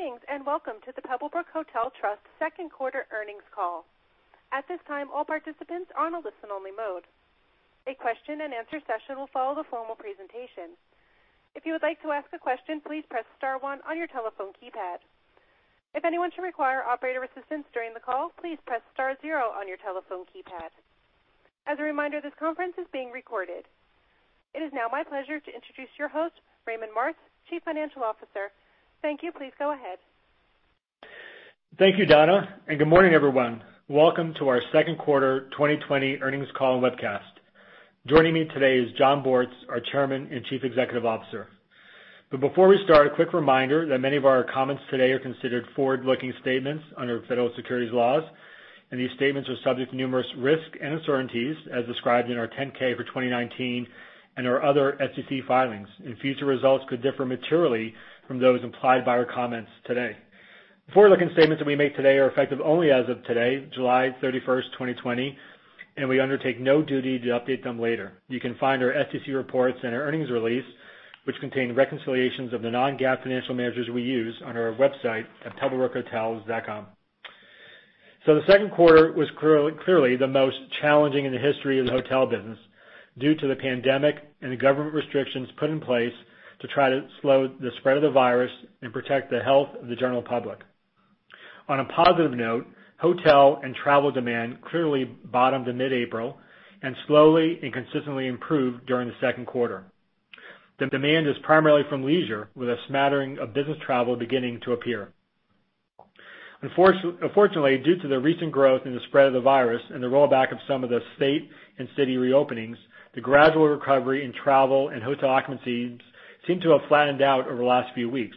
Greetings and welcome to the Pebblebrook Hotel Trust Second Quarter Earnings Call. At this time, all participants are on a listen-only mode. A question and answer session will follow the formal presentation. If you would like to ask a question, please press star one on your telephone keypad. If anyone should require operator assistance during the call, please press star zero on your telephone keypad. As a reminder, this conference is being recorded. It is now my pleasure to introduce your host, Raymond Martz, Chief Financial Officer. Thank you. Please go ahead. Thank you, Donna, good morning, everyone. Welcome to our Second Quarter 2020 Earnings Call and webcast. Joining me today is Jon Bortz, our Chairman and Chief Executive Officer. Before we start, a quick reminder that many of our comments today are considered forward-looking statements under federal securities laws, and these statements are subject to numerous risks and uncertainties as described in our 10-K for 2019 and our other SEC filings, and future results could differ materially from those implied by our comments today. The forward-looking statements that we make today are effective only as of today, July 31st, 2020, and we undertake no duty to update them later. You can find our SEC reports and our earnings release, which contain reconciliations of the non-GAAP financial measures we use on our website at pebblebrookhotels.com. The second quarter was clearly the most challenging in the history of the hotel business due to the pandemic and the government restrictions put in place to try to slow the spread of the virus and protect the health of the general public. On a positive note, hotel and travel demand clearly bottomed in mid-April, and slowly, and consistently improved during the second quarter. The demand is primarily from leisure, with a smattering of business travel beginning to appear. Unfortunately, due to the recent growth in the spread of the virus and the rollback of some of the state and city re-openings, the gradual recovery in travel and hotel occupancies seem to have flattened out over the last few weeks,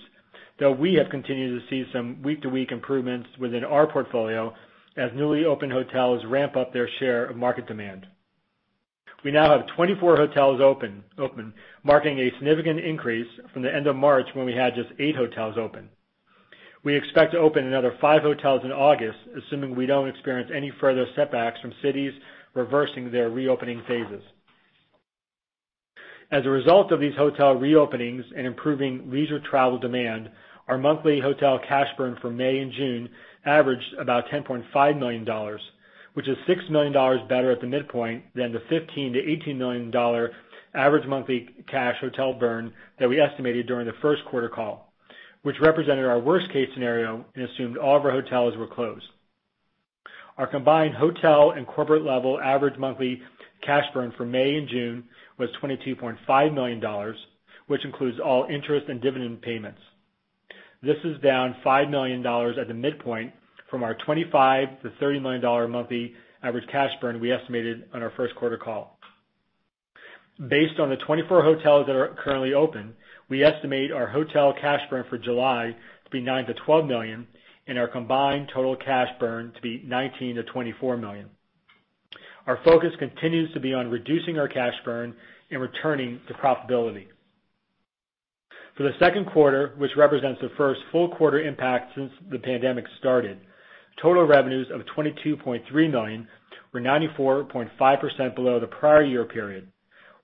though we have continued to see some week-to-week improvements within our portfolio as newly opened hotels ramp up their share of market demand. We now have 24 hotels open, marking a significant increase from the end of March when we had just eight hotels open. We expect to open another five hotels in August, assuming we don't experience any further setbacks from cities reversing their reopening phases. As a result of these hotel re-openings and improving leisure travel demand, our monthly hotel cash burn for May and June averaged about $10.5 million, which is $6 million better at the midpoint than the $15 million to $18 million average monthly cash hotel burn that we estimated during the first quarter call, which represented our worst-case scenario and assumed all of our hotels were closed. Our combined hotel and corporate-level average monthly cash burn for May and June was $22.5 million, which includes all interest and dividend payments. This is down $5 million at the midpoint from our $25 million to $30 million monthly average cash burn we estimated on our first quarter call. Based on the 24 hotels that are currently open, we estimate our hotel cash burn for July to be $9 million to $12 million and our combined total cash burn to be $19 million to $24 million. Our focus continues to be on reducing our cash burn and returning to profitability. For the second quarter, which represents the first full quarter impact since the pandemic started, total revenues of $22.3 million were 94.5% below the prior year period,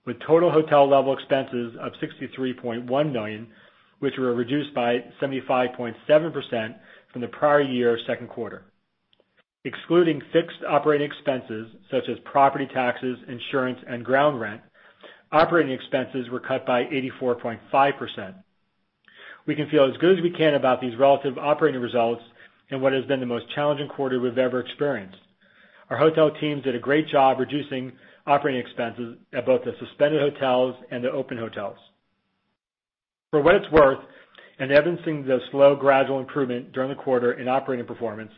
with total hotel level expenses of $63.1 million, which were reduced by 75.7% from the prior year second quarter. Excluding fixed operating expenses such as property taxes, insurance, and ground rent, operating expenses were cut by 84.5%. We can feel as good as we can about these relative operating results in what has been the most challenging quarter we've ever experienced. Our hotel teams did a great job reducing operating expenses at both the suspended hotels and the open hotels. For what it's worth, and evidencing the slow gradual improvement during the quarter in operating performance,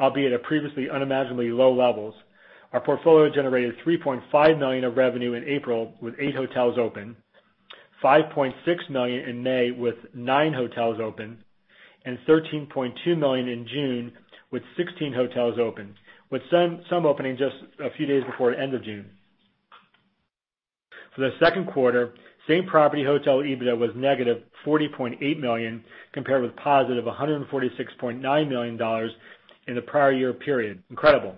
albeit at previously unimaginably low levels, our portfolio generated $3.5 million of revenue in April with eight hotels open, $5.6 million in May with nine hotels open, and $13.2 million in June with 16 hotels open, with some opening just a few days before the end of June. For the second quarter, same-property hotel EBITDA was negative $40.8 million, compared with positive $146.9 million in the prior year period, incredible.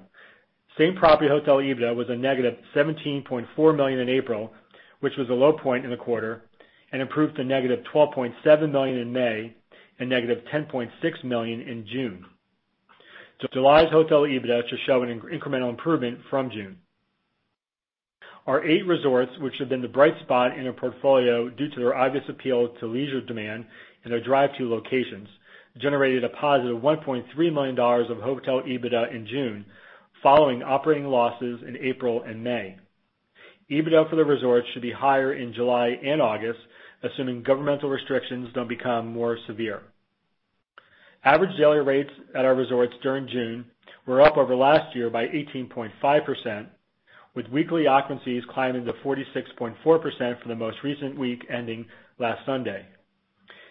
Same-property hotel EBITDA was a negative $17.4 million in April, which was the low point in the quarter, and improved to negative $12.7 million in May, and negative $10.6 million in June. July's hotel EBITDA should show an incremental improvement from June. Our eight resorts, which have been the bright spot in our portfolio due to their obvious appeal to leisure demand and their drive-to locations, generated a positive $1.3 million of hotel EBITDA in June, following operating losses in April and May. EBITDA for the resorts should be higher in July and August, assuming governmental restrictions don't become more severe. Average daily rates at our resorts during June were up over last year by 18.5%, with weekly occupancies climbing to 46.4% for the most recent week ending last Sunday.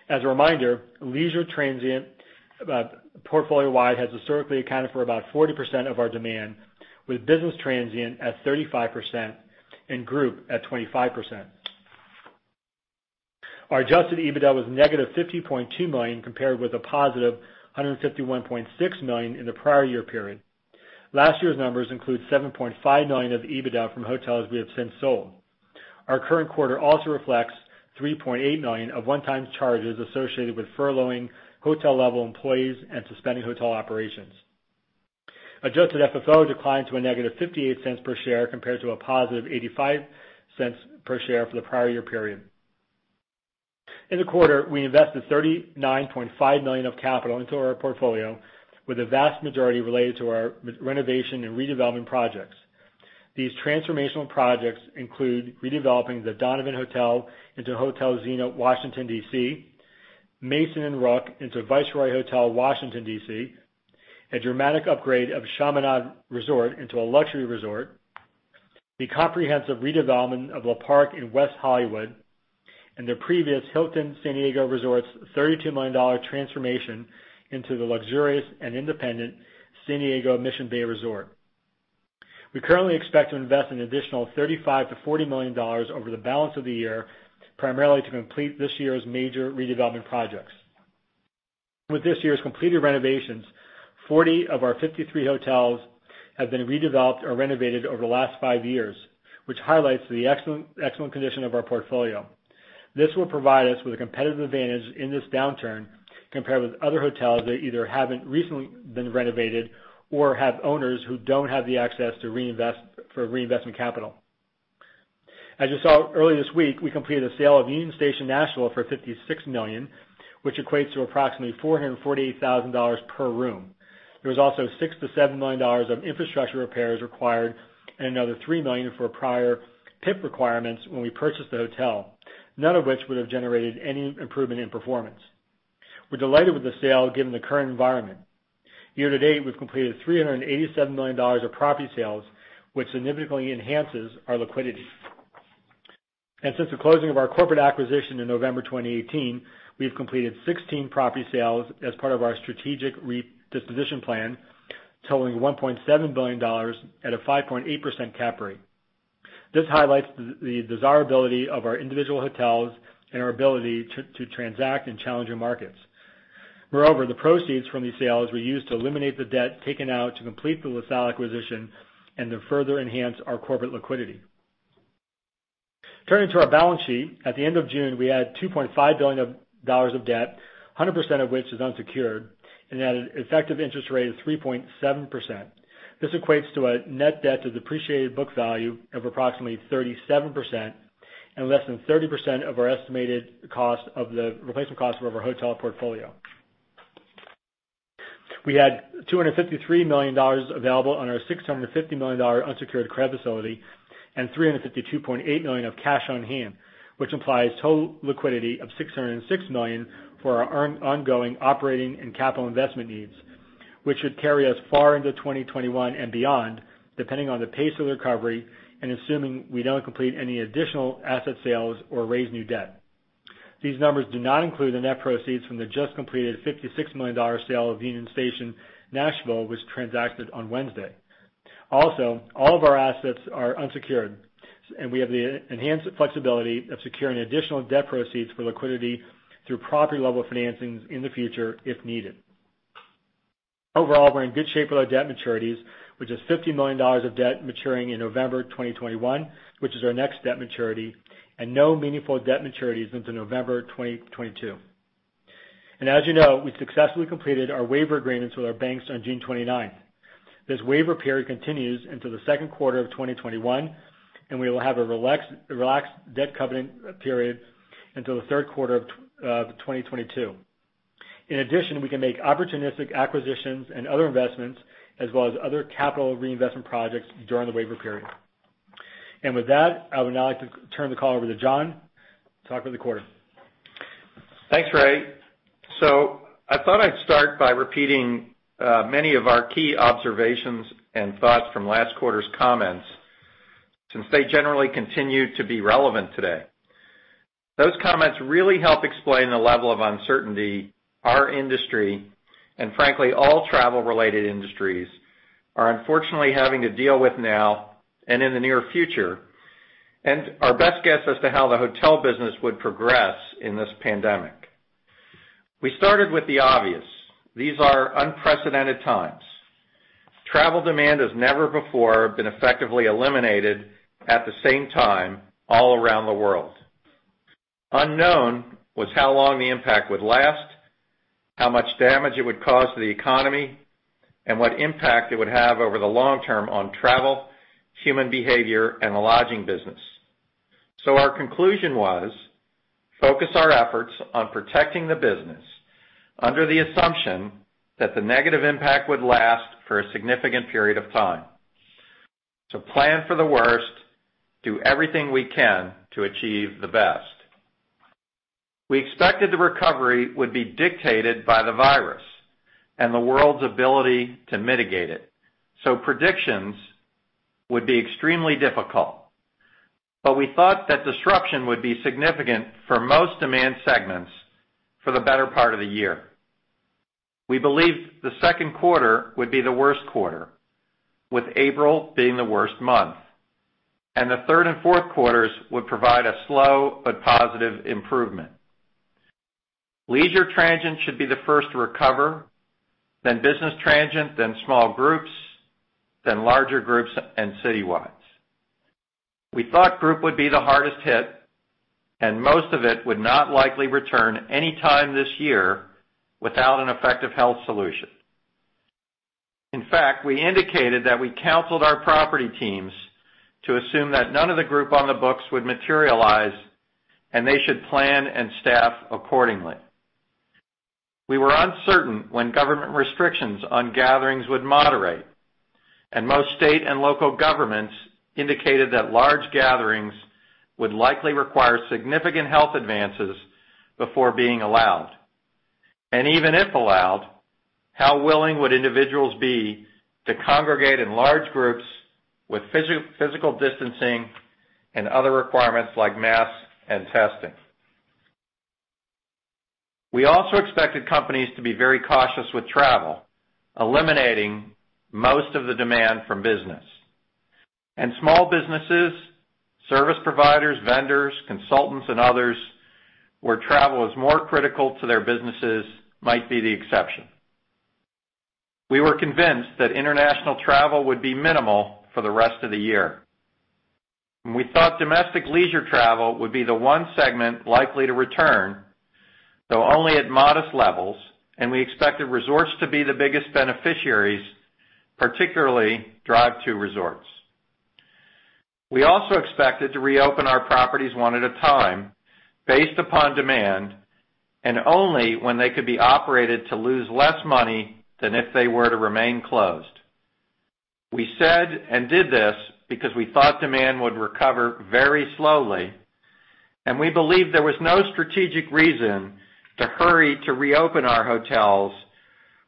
As a reminder, leisure transient portfolio-wide has historically accounted for about 40% of our demand, with business transient at 35% and group at 25%. Our adjusted EBITDA was negative $50.2 million, compared with a positive $151.6 million in the prior year period. Last year's numbers include $7.5 million of EBITDA from hotels we have since sold. Our current quarter also reflects $3.8 million of one-time charges associated with furloughing hotel-level employees and suspending hotel operations. Adjusted FFO declined to a negative $0.58 per share compared to a positive $0.85 per share for the prior year period. In the quarter, we invested $39.5 million of capital into our portfolio, with the vast majority related to our renovation and redevelopment projects. These transformational projects include redeveloping the Donovan Hotel into Hotel Zena, Washington, D.C., Mason & Rook into Viceroy Washington D.C., a dramatic upgrade of Chaminade Resort & Spa into a luxury resort, the comprehensive redevelopment of Le Parc in West Hollywood, and their previous Hilton San Diego Resort & Spa's $32 million transformation into the luxurious and independent San Diego Mission Bay Resort. We currently expect to invest an additional $35 million to $40 million over the balance of the year, primarily to complete this year's major redevelopment projects. With this year's completed renovations, 40 hotels of our 53 hotels have been redeveloped or renovated over the last five years, which highlights the excellent condition of our portfolio. This will provide us with a competitive advantage in this downturn compared with other hotels that either haven't recently been renovated or have owners who don't have the access for reinvestment capital. As you saw earlier this week, we completed a sale of Union Station Nashville for $56 million, which equates to approximately $448,000 per room. There was also $6 million to $7 million of infrastructure repairs required and another $3 million for prior PIP requirements when we purchased the hotel, none of which would have generated any improvement in performance. We're delighted with the sale given the current environment. Year-to-date, we've completed $387 million of property sales, which significantly enhances our liquidity. Since the closing of our corporate acquisition in November 2018, we have completed 16 property sales as part of our strategic disposition plan, totaling $1.7 billion at a 5.8% cap rate. This highlights the desirability of our individual hotels and our ability to transact in challenging markets. Moreover, the proceeds from these sales were used to eliminate the debt taken out to complete the LaSalle acquisition and to further enhance our corporate liquidity. Turning to our balance sheet, at the end of June, we had $2.5 billion of debt, 100% of which is unsecured, and at an effective interest rate of 3.7%. This equates to a net debt to depreciated book value of approximately 37% and less than 30% of our estimated replacement cost of our hotel portfolio. We had $253 million available on our $650 million unsecured credit facility and $352.8 million of cash on hand, which implies total liquidity of $606 million for our ongoing operating and capital investment needs, which should carry us far into 2021 and beyond, depending on the pace of recovery and assuming we don't complete any additional asset sales or raise new debt. These numbers do not include the net proceeds from the just completed $56 million sale of Union Station Nashville, which transacted on Wednesday. Also, all of our assets are unsecured, and we have the enhanced flexibility of securing additional debt proceeds for liquidity through property-level financings in the future, if needed. Overall, we're in good shape with our debt maturities, with just $50 million of debt maturing in November 2021, which is our next debt maturity, and no meaningful debt maturities until November 2022. As you know, we successfully completed our waiver agreements with our banks on June 29th. This waiver period continues into the second quarter of 2021 and we will have a relaxed debt covenant period until the third quarter of 2022. In addition, we can make opportunistic acquisitions and other investments as well as other capital reinvestment projects during the waiver period. With that, I would now like to turn the call over to Jon to talk about the quarter. Thanks, Ray. I thought I'd start by repeating many of our key observations and thoughts from last quarter's comments, since they generally continue to be relevant today. Those comments really help explain the level of uncertainty our industry, and frankly, all travel-related industries are, unfortunately, having to deal with now and in the near future, and our best guess as to how the hotel business would progress in this pandemic. We started with the obvious. These are unprecedented times. Travel demand has never before been effectively eliminated at the same time all around the world. Unknown was how long the impact would last, how much damage it would cause to the economy, and what impact it would have over the long term on travel, human behavior, and the lodging business. Our conclusion was, focus our efforts on protecting the business under the assumption that the negative impact would last for a significant period of time, so plan for the worst, and do everything we can to achieve the best. We expected the recovery would be dictated by the virus and the world's ability to mitigate it, so predictions would be extremely difficult. We thought that disruption would be significant for most demand segments for the better part of the year. We believed the second quarter would be the worst quarter, with April being the worst month, and the third and fourth quarters would provide a slow but positive improvement. Leisure transient should be the first to recover, then business transient, then small groups, then larger groups and citywide. We thought group would be the hardest hit and most of it would not likely return any time this year without an effective health solution. In fact, we indicated that we counseled our property teams to assume that none of the group on the books would materialize, and they should plan and staff accordingly. We were uncertain when government restrictions on gatherings would moderate, and most state and local governments indicated that large gatherings would likely require significant health advances before being allowed. Even if allowed, how willing would individuals be to congregate in large groups with physical distancing and other requirements like masks and testing? We also expected companies to be very cautious with travel, eliminating most of the demand from business, and small businesses, service providers, vendors, consultants and others, where travel is more critical to their businesses, might be the exception. We were convinced that international travel would be minimal for the rest of the year. We thought domestic leisure travel would be the one segment likely to return, though only at modest levels, and we expected resorts to be the biggest beneficiaries, particularly drive-to resorts. We also expected to reopen our properties one at a time based upon demand and only when they could be operated to lose less money than if they were to remain closed. We said and did this because we thought demand would recover very slowly, and we believed there was no strategic reason to hurry to reopen our hotels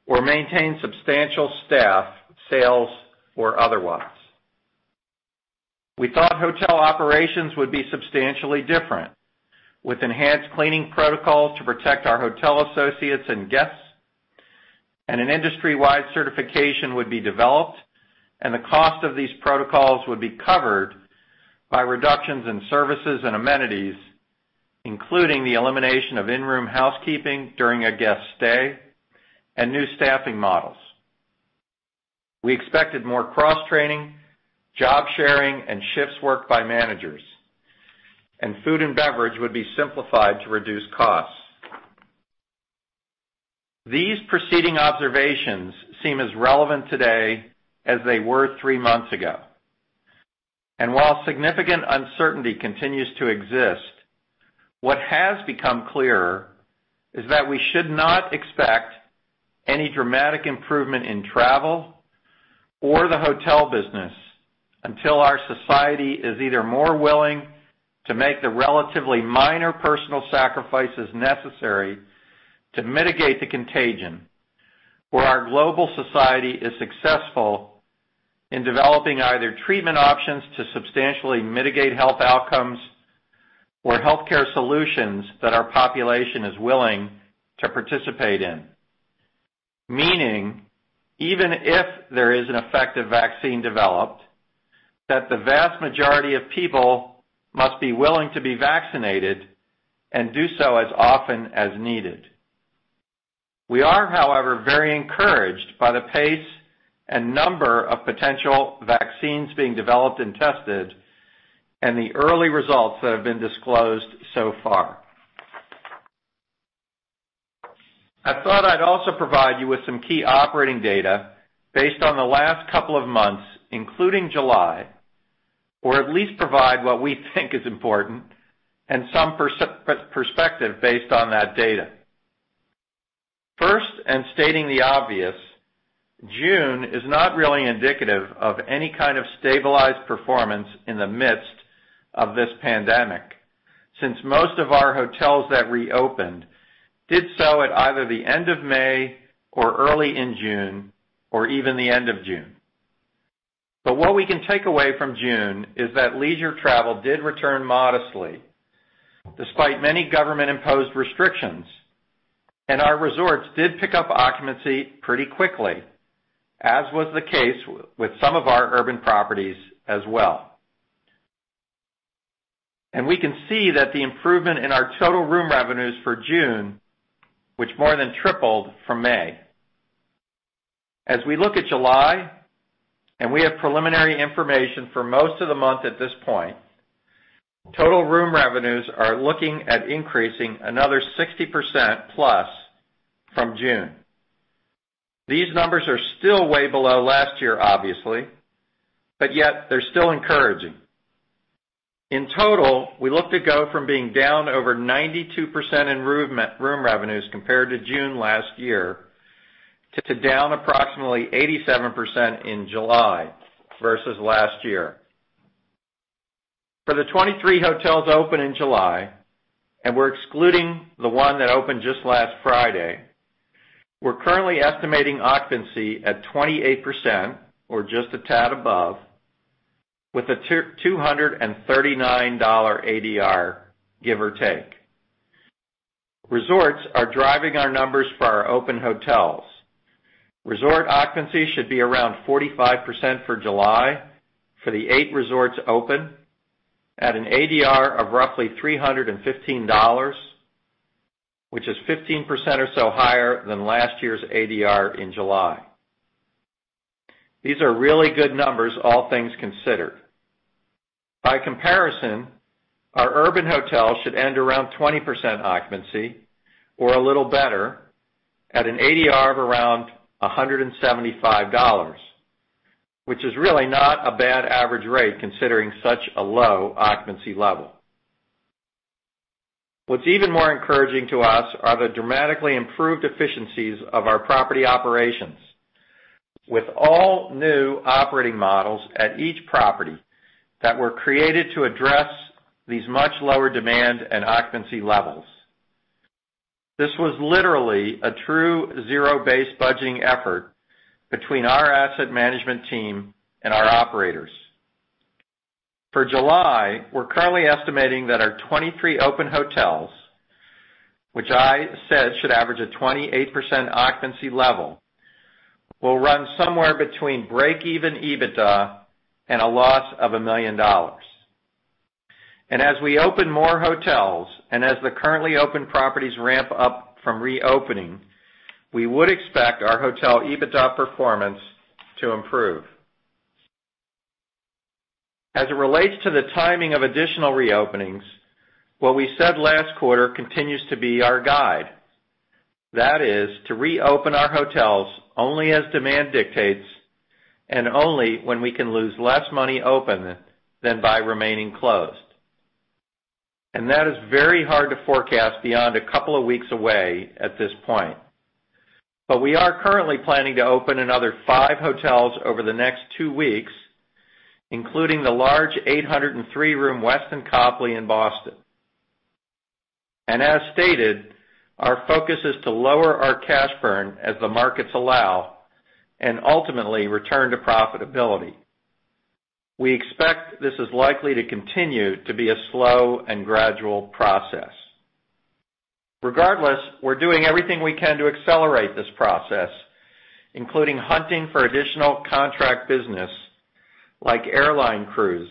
or maintain substantial staff, sales, or otherwise. We thought hotel operations would be substantially different with enhanced cleaning protocols to protect our hotel associates and guests, and an industry-wide certification would be developed, and the cost of these protocols would be covered by reductions in services and amenities, including the elimination of in-room housekeeping during a guest stay and new staffing models. We expected more cross-training, job sharing, and shifts work by managers, and food and beverage would be simplified to reduce costs. These preceding observations seem as relevant today as they were three months ago. While significant uncertainty continues to exist, what has become clearer is that we should not expect any dramatic improvement in travel or the hotel business until our society is either more willing to make the relatively minor personal sacrifices necessary to mitigate the contagion. Where our global society is successful in developing either treatment options to substantially mitigate health outcomes or healthcare solutions that our population is willing to participate in. Meaning, even if there is an effective vaccine developed, that the vast majority of people must be willing to be vaccinated and do so as often as needed. We are, however, very encouraged by the pace and number of potential vaccines being developed and tested, and the early results that have been disclosed so far. I thought I'd also provide you with some key operating data based on the last couple of months, including July, or at least provide what we think is important and some perspective based on that data. First, stating the obvious, June is not really indicative of any kind of stabilized performance in the midst of this pandemic, since most of our hotels that reopened did so at either the end of May, or early in June, or even the end of June. What we can take away from June is that leisure travel did return modestly despite many government-imposed restrictions, and our resorts did pick up occupancy pretty quickly, as was the case with some of our urban properties as well. We can see that the improvement in our total room revenues for June, which more than tripled from May. As we look at July, and we have preliminary information for most of the month at this point, total room revenues are looking at increasing another 60% plus from June. These numbers are still way below last year, obviously, but yet they're still encouraging. In total, we look to go from being down over 92% in room revenues compared to June last year to down approximately 87% in July versus last year. For the 23 hotels open in July, and we're excluding the one that opened just last Friday, we're currently estimating occupancy at 28% or just a tad above with a $239 ADR, give or take. Resorts are driving our numbers for our open hotels. Resort occupancy should be around 45% for July for the eight resorts open at an ADR of roughly $315, which is 15% or so higher than last year's ADR in July. These are really good numbers, all things considered. By comparison, our urban hotels should end around 20% occupancy or a little better at an ADR of around $175, which is really not a bad average rate, considering such a low occupancy level. What's even more encouraging to us are the dramatically improved efficiencies of our property operations with all new operating models at each property that were created to address these much lower demand and occupancy levels. This was literally a true zero-based budgeting effort between our asset management team and our operators. For July, we're currently estimating that our 23 open hotels, which I said should average a 28% occupancy level, will run somewhere between break-even EBITDA and a loss of $1 million. As we open more hotels, and as the currently open properties ramp up from reopening, we would expect our hotel EBITDA performance to improve. As it relates to the timing of additional re-openings, what we said last quarter continues to be our guide. That is, to reopen our hotels only as demand dictates and only when we can lose less money open than by remaining closed, and that is very hard to forecast beyond a couple of weeks away at this point. We are currently planning to open another five hotels over the next two weeks, including the large 803-room The Westin Copley Place, Boston. As stated, our focus is to lower our cash burn as the markets allow and ultimately return to profitability. We expect this is likely to continue to be a slow and gradual process. Regardless, we're doing everything we can to accelerate this process, including hunting for additional contract business like airline crews,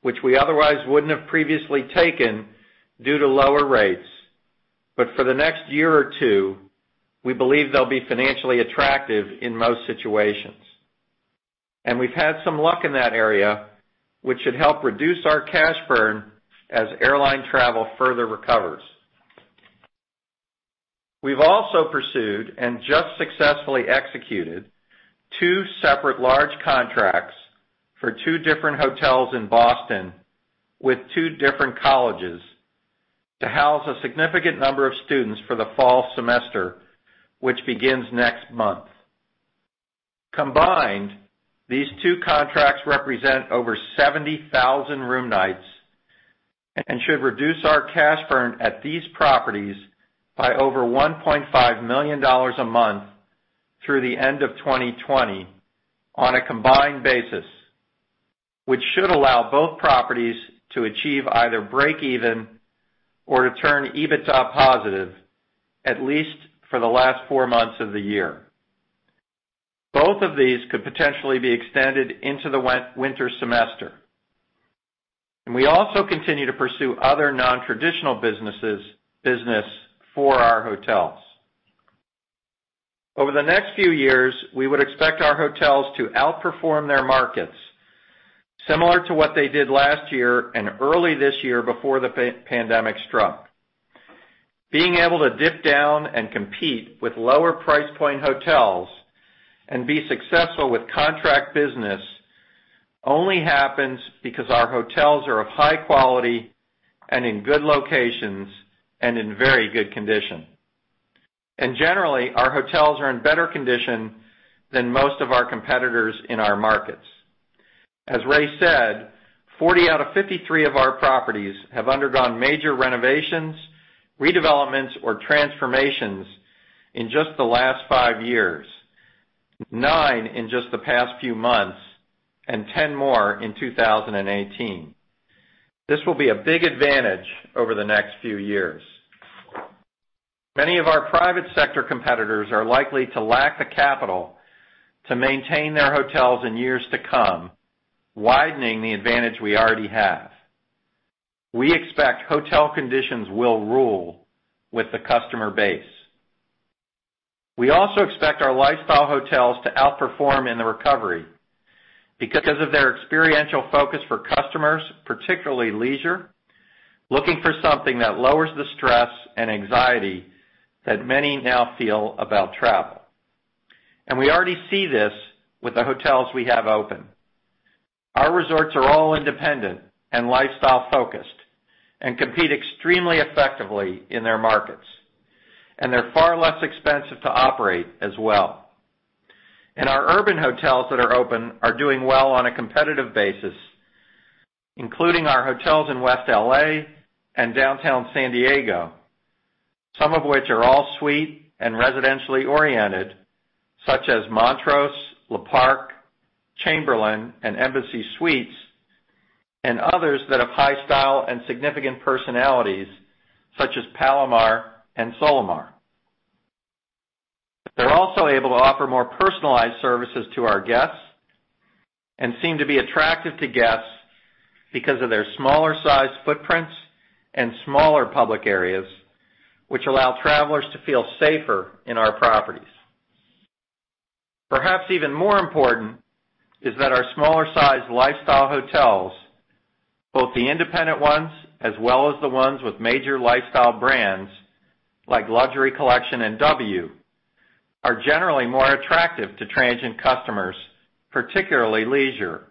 which we otherwise wouldn't have previously taken due to lower rates. For the next year or two, we believe they'll be financially attractive in most situations. We've had some luck in that area, which should help reduce our cash burn as airline travel further recovers. We've also pursued and just successfully executed two separate large contracts for two different hotels in Boston with two different colleges to house a significant number of students for the fall semester, which begins next month. Combined, these two contracts represent over 70,000 room nights and should reduce our cash burn at these properties by over $1.5 million a month through the end of 2020 on a combined basis, which should allow both properties to achieve either break even or to turn EBITDA positive, at least for the last four months of the year. Both of these could potentially be extended into the winter semester. We also continue to pursue other non-traditional businesses, business for our hotels. Over the next few years, we would expect our hotels to outperform their markets similar to what they did last year and early this year before the pandemic struck. Being able to dip down and compete with lower price point hotels and be successful with contract business only happens because our hotels are of high quality and in good locations and in very good condition. Generally, our hotels are in better condition than most of our competitors in our markets. As Ray said, 40 out of 53 of our properties have undergone major renovations, redevelopments, or transformations in just the last five years, nine in just the past few months, and 10 more in 2018. This will be a big advantage over the next few years. Many of our private sector competitors are likely to lack the capital to maintain their hotels in years to come, widening the advantage we already have. We expect hotel conditions will rule with the customer base. We also expect our lifestyle hotels to outperform in the recovery because of their experiential focus for customers, particularly leisure, looking for something that lowers the stress and anxiety that many now feel about travel. We already see this with the hotels we have open. Our resorts are all independent and lifestyle-focused and compete extremely effectively in their markets, and they're far less expensive to operate as well. Our urban hotels that are open are doing well on a competitive basis, including our hotels in West L.A. and downtown San Diego, some of which are all suite and residentially oriented, such as Montrose, Le Parc, Chamberlain, and Embassy Suites. Others that have high style and significant personalities, such as Palomar and Solamar. They're also able to offer more personalized services to our guests and seem to be attractive to guests because of their smaller size footprints and smaller public areas, which allow travelers to feel safer in our properties. Perhaps even more important is that our smaller size lifestyle hotels, both the independent ones as well as the ones with major lifestyle brands like Luxury Collection and W, are generally more attractive to transient customers, particularly leisure,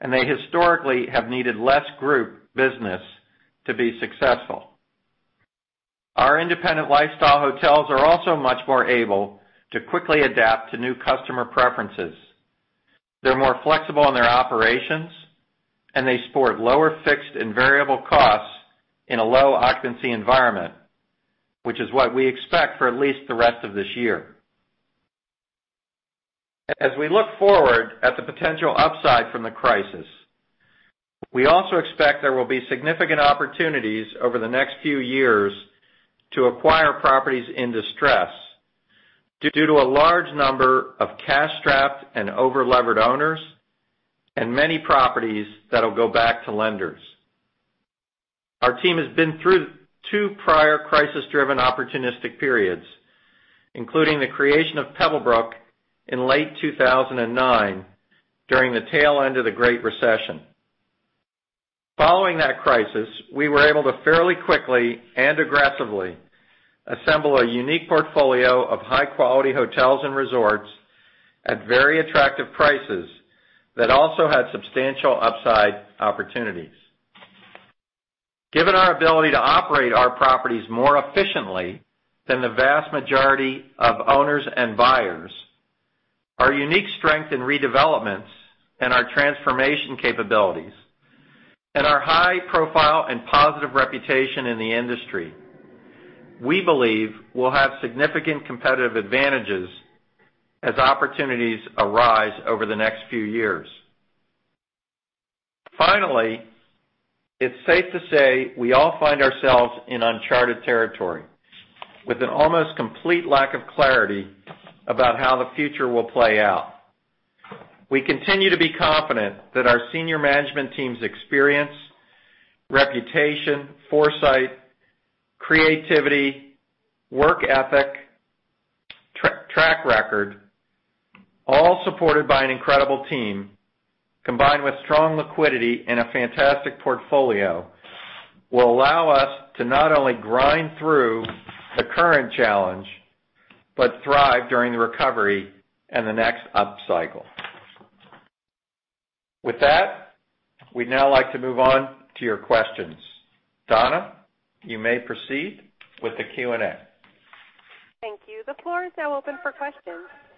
and they historically have needed less group business to be successful. Our independent lifestyle hotels are also much more able to quickly adapt to new customer preferences. They're more flexible in their operations, and they sport lower fixed and variable costs in a low occupancy environment, which is what we expect for at least the rest of this year. As we look forward at the potential upside from the crisis, we also expect there will be significant opportunities over the next few years to acquire properties in distress due to a large number of cash-strapped and over-levered owners and many properties that'll go back to lenders. Our team has been through two prior crisis-driven opportunistic periods, including the creation of Pebblebrook in late 2009 during the tail end of the Great Recession. Following that crisis, we were able to fairly quickly and aggressively assemble a unique portfolio of high-quality hotels and resorts at very attractive prices that also had substantial upside opportunities. Given our ability to operate our properties more efficiently than the vast majority of owners and buyers, our unique strength in redevelopments and our transformation capabilities, and our high profile and positive reputation in the industry, we believe we'll have significant competitive advantages as opportunities arise over the next few years. Finally, it's safe to say we all find ourselves in uncharted territory with an almost complete lack of clarity about how the future will play out. We continue to be confident that our senior management team's experience, reputation, foresight, creativity, work ethic, track record, all supported by an incredible team, combined with strong liquidity and a fantastic portfolio, will allow us to not only grind through the current challenge, but thrive during the recovery and the next upcycle. With that, we'd now like to move on to your questions. Donna, you may proceed with the Q&A. Thank you. The floor is now open for questions.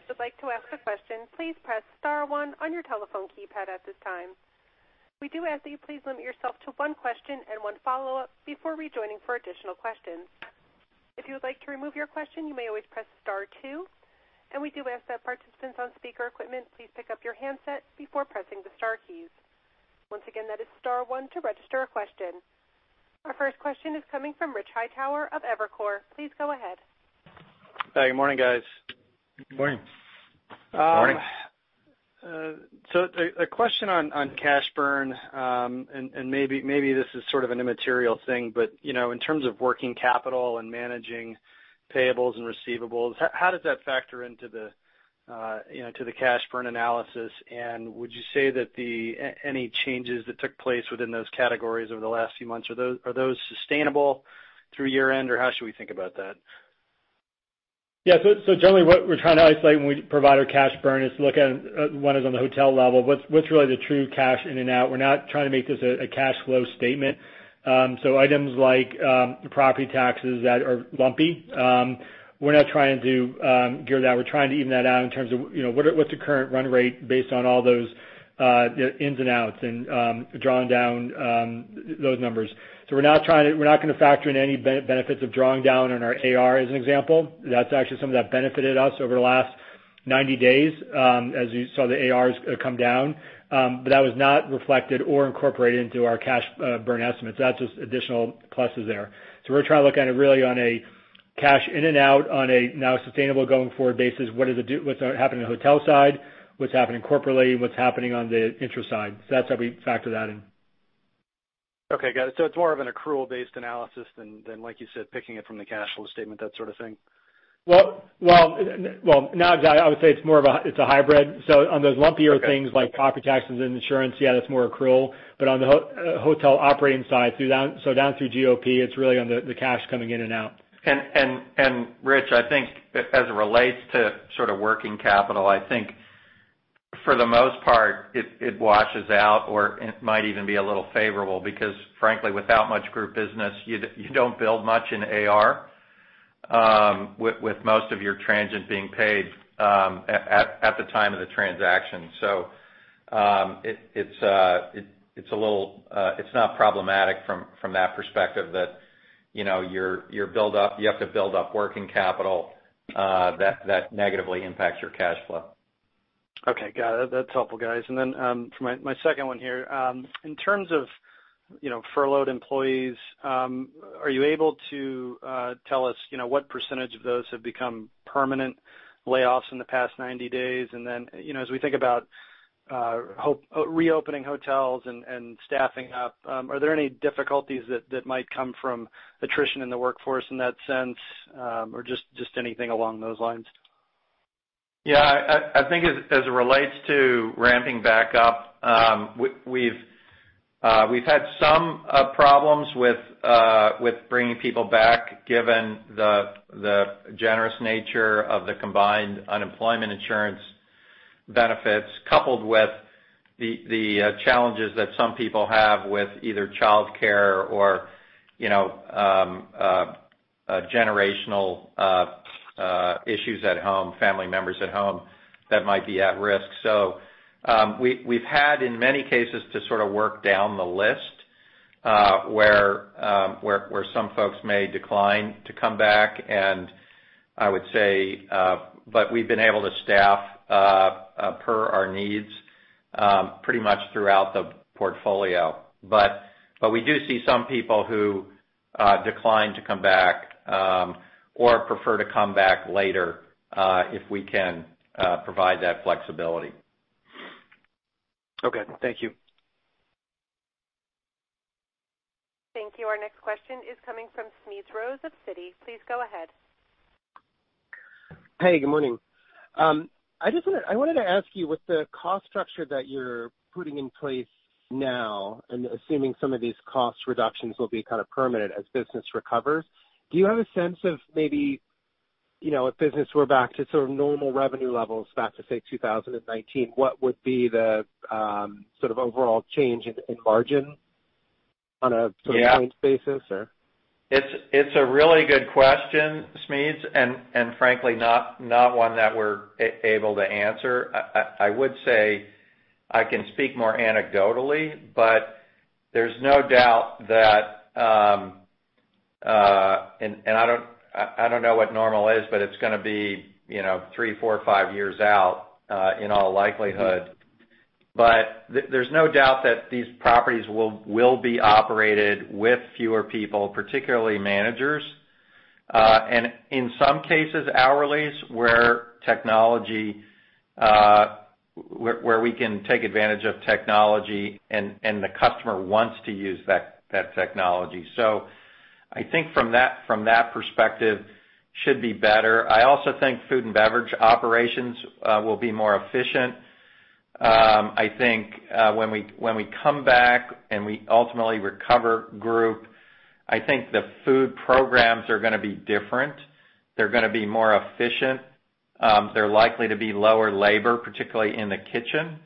If you would like to ask a question, please press star one on your telephone keypad at this time. We do ask that you please limit yourself to one question and one follow-up before rejoining for additional questions. If you would like to remove your question, you may always press star two, and we do ask that participants on speaker equipment please pick up your handset before pressing the star keys. Once again, that is star one to register a question. Our first question is coming from Rich Hightower of Evercore. Please go ahead. Hi, good morning, guys. Good morning. Good morning. A question on cash burn, and maybe this is sort of an immaterial thing but, you know, in terms of working capital and managing payables and receivables, how does that factor into the cash burn analysis? Would you say that any changes that took place within those categories over the last few months, are those sustainable through year-end, or how should we think about that? Generally what we're trying to isolate when we provide our cash burn is to look at, one, is on the hotel level. What's really the true cash in and out? We're not trying to make this a cash flow statement. Items like property taxes that are lumpy, we're not trying to gear that. We're trying to even that out in terms of what's the current run rate based on all those ins and outs and drawing down those numbers. We're not going to factor in any benefits of drawing down on our AR, as an example. That's actually something that benefited us over the last 90 days, as you saw the ARs come down. That was not reflected or incorporated into our cash burn estimates. That's just additional pluses there. We're trying to look at it really on a cash in and out on a now sustainable going forward basis. What's happening on the hotel side? What's happening corporately? What's happening on the interest side? That's how we factor that in. Okay, got it, so it's more of an accrual-based analysis than, like you said, picking it from the cash flow statement, that sort of thing. Well, not exactly. I would say it's a hybrid. On those lumpier things like property taxes and insurance, yeah, that's more accrual. On the hotel operating side, so down through GOP, it's really on the cash coming in and out. Rich, I think as it relates to sort of working capital, I think for the most part, it washes out or it might even be a little favorable because frankly, without much group business, you don't build much in AR with most of your transient being paid at the time of the transaction. It's not problematic from that perspective that, you know, you have to build up working capital that negatively impacts your cash flow. Okay, got it, that's helpful, guys. For my second one here, in terms of furloughed employees, are you able to tell us what percentage of those have become permanent layoffs in the past 90 days? As we think about reopening hotels and staffing up, are there any difficulties that might come from attrition in the workforce in that sense, or just anything along those lines? Yeah. I think as it relates to ramping back up, we've had some problems with bringing people back given the generous nature of the combined unemployment insurance benefits, coupled with the challenges that some people have with either childcare or generational issues at home, family members at home that might be at risk. We've had, in many cases, to sort of work down the list, where some folks may decline to come back. We've been able to staff per our needs pretty much throughout the portfolio. We do see some people who decline to come back or prefer to come back later if we can provide that flexibility. Okay. Thank you. Thank you. Our next question is coming from Smedes Rose of Citi. Please go ahead. Hey, good morning. I wanted to ask you, with the cost structure that you're putting in place now, and assuming some of these cost reductions will be kind of permanent as business recovers, do you have a sense of maybe, if business were back to sort of normal revenue levels, back to, say, 2019, what would be the sort of overall change in margin on a sort of basis points or? Yeah, it's a really good question, Smedes, and frankly, not one that we're able to answer. I would say I can speak more anecdotally. There's no doubt that, and I don't know what normal is, but it's going to be three, four, five years out, in all likelihood. There's no doubt that these properties will be operated with fewer people, particularly managers. In some cases, hourlies, where we can take advantage of technology and the customer wants to use that technology. I think from that perspective, should be better. I also think food and beverage operations will be more efficient. I think, when we come back and we ultimately recover group, I think the food programs are going to be different. They're going to be more efficient. There likely to be lower labor, particularly in the kitchen.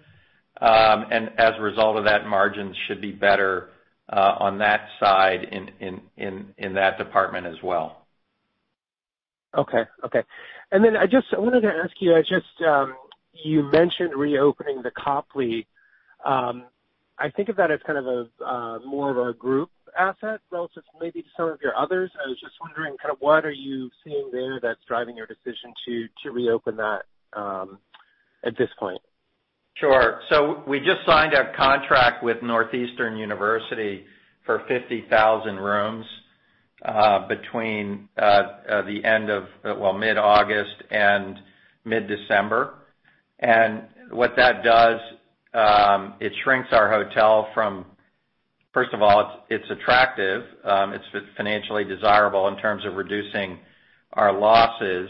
As a result of that, margins should be better on that side, in that department as well. Okay. I just wanted to ask you mentioned reopening the Copley. I think of that as kind of more of a group asset relative maybe to some of your others. I was just wondering, kind of what are you seeing there that's driving your decision to reopen that at this point? Sure. We just signed a contract with Northeastern University for 50,000 rooms, between the end of, well, mid-August and mid-December. What that does, it shrinks our hotel from First of all, it's attractive. It's financially desirable in terms of reducing our losses.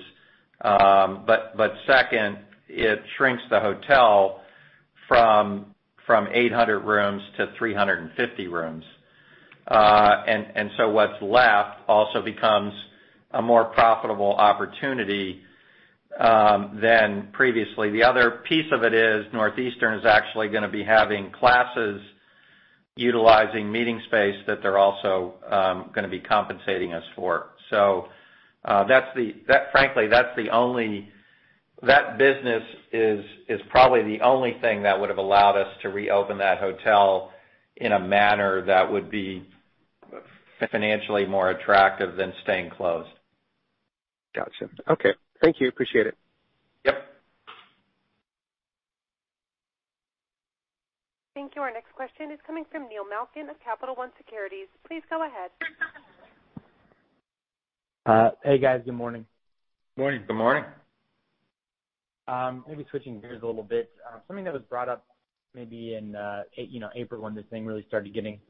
Second, it shrinks the hotel from 800 rooms to 350 rooms. What's left also becomes a more profitable opportunity than previously. The other piece of it is Northeastern is actually going to be having classes utilizing meeting space that they're also going to be compensating us for, so frankly, that business is probably the only thing that would've allowed us to reopen that hotel in a manner that would be financially more attractive than staying closed. Got you, okay. Thank you. Appreciate it. Yep. Thank you. Our next question is coming from Neil Malkin of Capital One Securities. Please go ahead. Hey, guys. Good morning. Good morning. Good morning. Maybe switching gears a little bit, something that was brought up maybe in, you know, April when this thing really started getting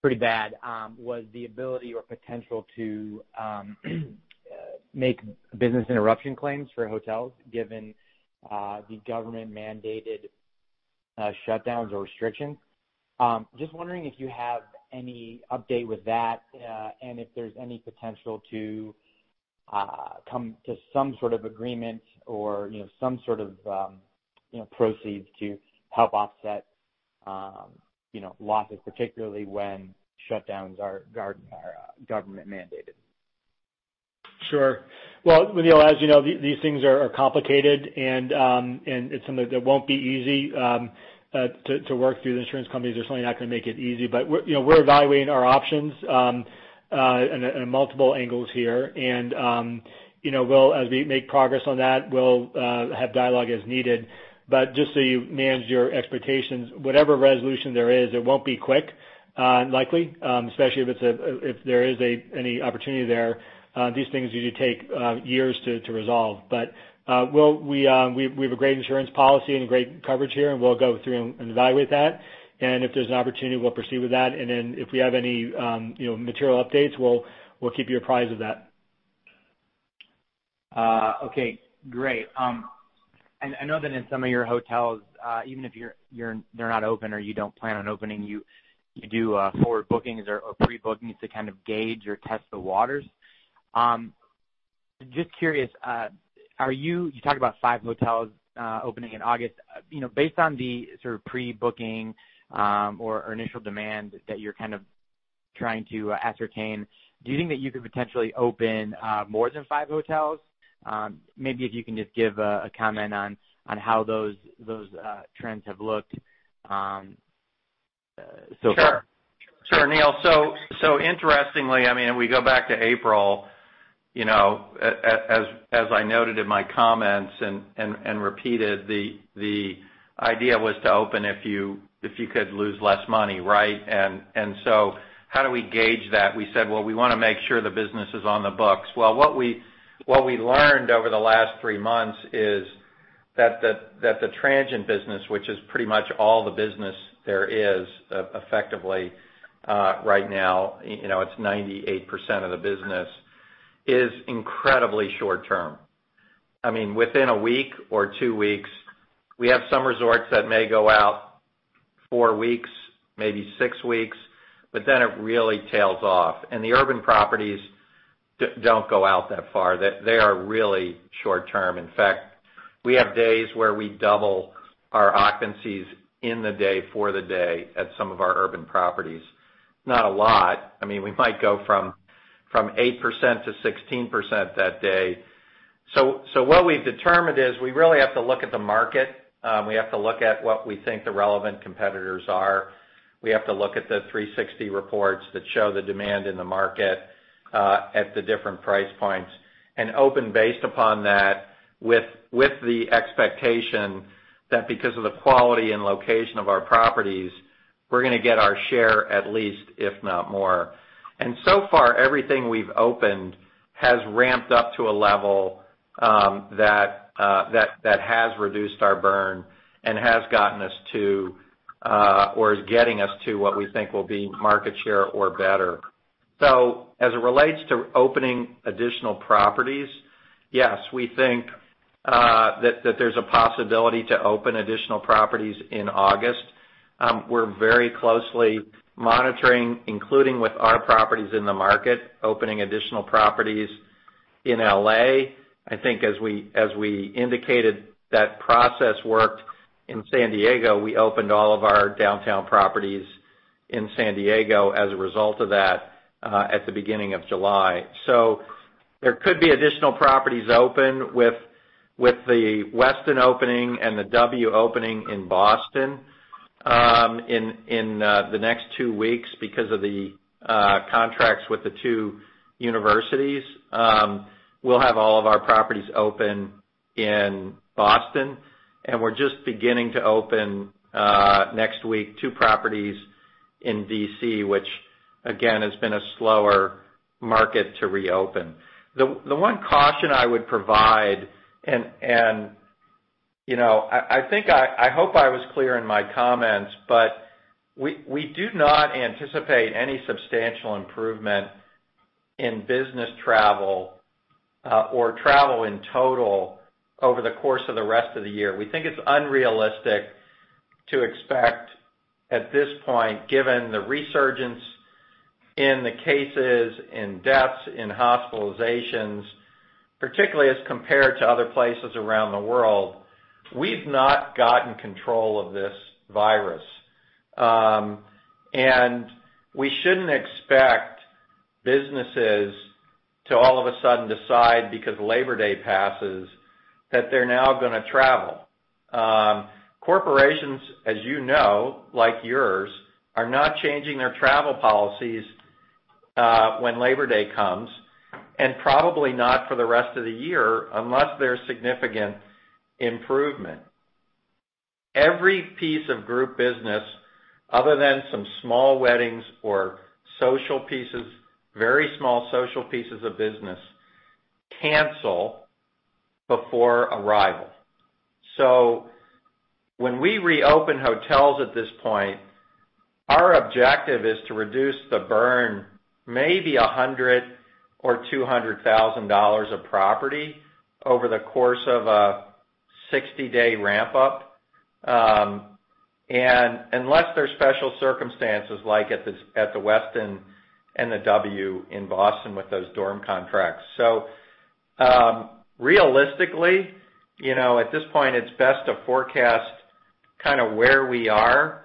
pretty bad, was the ability or potential to make business interruption claims for hotels, given the government-mandated shutdowns or restrictions. I'm just wondering if you have any update with that, and if there's any potential to come to some sort of agreement or some sort of proceeds to help offset, you know, losses, particularly when shutdowns are government mandated? Sure. Well, Neil, as you know, these things are complicated and it's something that won't be easy to work through. The insurance companies, they're certainly not going to make it easy. We're evaluating our options in multiple angles here, and as we make progress on that, we'll have dialogue as needed, but just so you manage your expectations, whatever resolution there is, it won't be quick, likely, especially if there is any opportunity there. These things usually take years to resolve. We have a great insurance policy and great coverage here, and we'll go through and evaluate that. If there's an opportunity, we'll proceed with that. If we have any, you know, material updates, we'll keep you apprised of that. Okay, great. I know that in some of your hotels, even if they're not open or you don't plan on opening, you do forward bookings or pre-bookings to kind of gauge or test the waters. I'm just curious, you talked about five hotels opening in August, you know, based on the sort of pre-booking or initial demand that you're kind of trying to ascertain, do you think that you could potentially open more than five hotels? Maybe if you can just give a comment on how those trends have looked so far. Sure, Neil. Interestingly, if we go back to April, as I noted in my comments and repeated, the idea was to open if you could lose less money, right? How do we gauge that? We said, well, we want to make sure the business is on the books. Well, what we learned over the last three months is that the transient business, which is pretty much all the business there is effectively right now, it's 98% of the business, is incredibly short-term. I mean, within a week or two weeks. We have some resorts that may go out four weeks, maybe six weeks, but then it really tails off. The urban properties don't go out that far. They are really short-term. In fact, we have days where we double our occupancies in the day for the day at some of our urban properties. It's not a lot. I mean, we might go from 8% to 16% that day. What we've determined is we really have to look at the market. We have to look at what we think the relevant competitors are. We have to look at the 360 reports that show the demand in the market at the different price points, and open based upon that with the expectation that because of the quality and location of our properties, we're going to get our share at least, if not more. So far, everything we've opened has ramped up to a level that has reduced our burn and has gotten us to or is getting us to what we think will be market share or better. As it relates to opening additional properties, yes, we think that there's a possibility to open additional properties in August. We're very closely monitoring, including with our properties in the market, opening additional properties in L.A. I think as we indicated, that process worked in San Diego. We opened all of our downtown properties in San Diego as a result of that at the beginning of July. There could be additional properties open with the Westin opening and the W opening in Boston in the next two weeks because of the contracts with the two universities. We'll have all of our properties open in Boston, and we're just beginning to open, next week, two properties in D.C., which again, has been a slower market to reopen. The one caution I would provide, and I hope I was clear in my comments, but we do not anticipate any substantial improvement in business travel or travel in total over the course of the rest of the year. We think it's unrealistic to expect at this point, given the resurgence in the cases, in deaths, in hospitalizations, particularly as compared to other places around the world. We've not gotten control of this virus. We shouldn't expect businesses to all of a sudden decide because Labor Day passes that they're now going to travel. Corporations, as you know, like yours, are not changing their travel policies when Labor Day comes, and probably not for the rest of the year, unless there's significant improvement. Every piece of group business, other than some small weddings or social pieces, very small social pieces of business, cancel before arrival. When we reopen hotels at this point, our objective is to reduce the burn maybe $100,000 or $200,000 a property over the course of a 60-day ramp-up, and unless there's special circumstances like at the Westin and the W in Boston with those dorm contracts. Realistically, you know, at this point, it's best to forecast kind of where we are.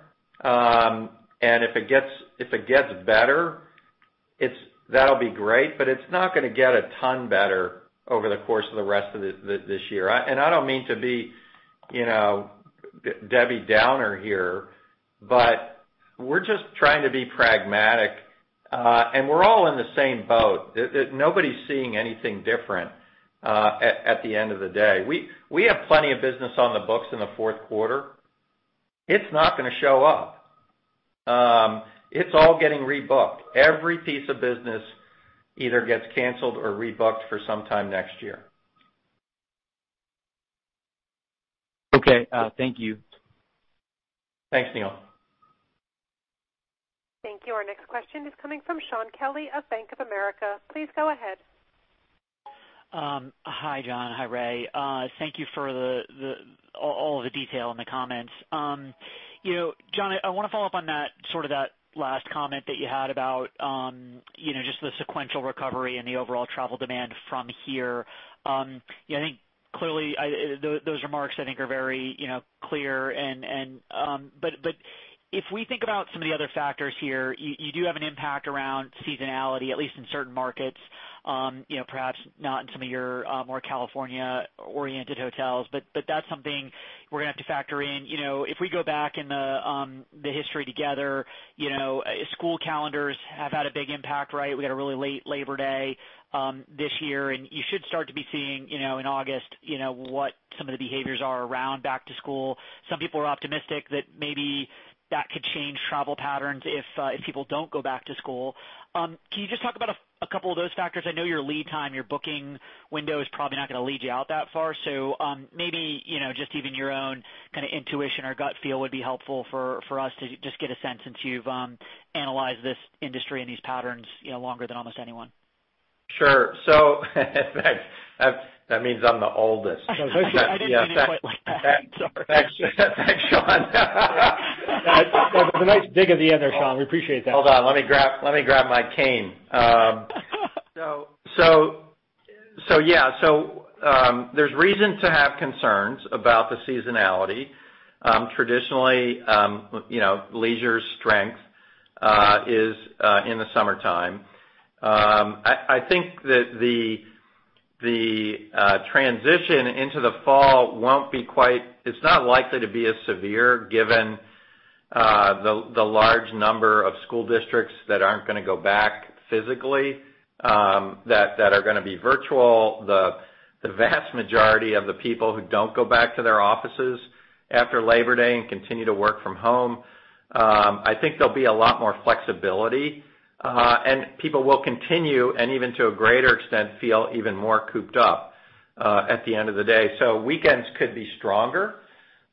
If it gets better, that'll be great, but it's not going to get a ton better over the course of the rest of this year. I don't mean to be Debbie Downer here, but we're just trying to be pragmatic. We're all in the same boat. Nobody is seeing anything different at the end of the day. We have plenty of business on the books in the fourth quarter. It's not going to show up. It's all getting rebooked. Every piece of business either gets canceled or rebooked for some time next year. Okay. Thank you. Thanks, Neil. Thank you. Our next question is coming from Shaun Kelley of Bank of America. Please go ahead. Hi, Jon. Hi, Ray. Thank you for all the detail and the comments, you know, Jon, I want to follow up on that last comment that you had about just the sequential recovery and the overall travel demand from here. I think clearly, those remarks, I think, are very clear, but if we think about some of the other factors here, you do have an impact around seasonality, at least in certain markets, you know, perhaps not in some of your more California-oriented hotels, but that's something we're going to have to factor in. If we go back in the history together, you know, school calendars have had a big impact, right? We had a really late Labor Day this year, and you should start to be seeing, you know, in August what some of the behaviors are around back to school. Some people are optimistic that maybe that could change travel patterns if people don't go back to school. Can you just talk about a couple of those factors? I know your lead time, your booking window, is probably not going to lead you out that far, so maybe, just even your own kind of intuition or gut feel would be helpful for us to just get a sense, since you've analyzed this industry and these patterns longer than almost anyone. Sure, that means I'm the oldest. I didn't mean it quite like that. Sorry. Thanks. Thanks, Shaun. That was a nice dig at the end there, Shaun. We appreciate that. Hold on. Let me grab my cane. There's reason to have concerns about the seasonality. Traditionally, leisure's strength is in the summertime. I think that the transition into the fall it's not likely to be as severe given the large number of school districts that aren't going to go back physically, that are going to be virtual. The vast majority of the people who don't go back to their offices after Labor Day and continue to work from home, I think there'll be a lot more flexibility. People will continue, and even to a greater extent, feel even more cooped up at the end of the day. Weekends could be stronger,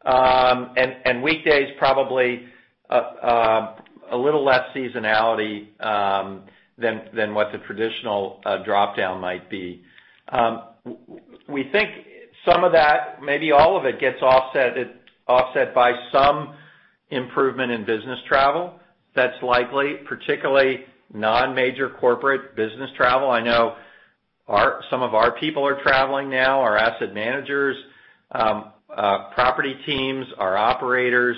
and weekdays probably a little less seasonality than what the traditional drop down might be. We think some of that, maybe all of it, gets offset by some improvement in business travel. That's likely, particularly non-major corporate business travel. I know some of our people are traveling now, our asset managers, property teams, our operators,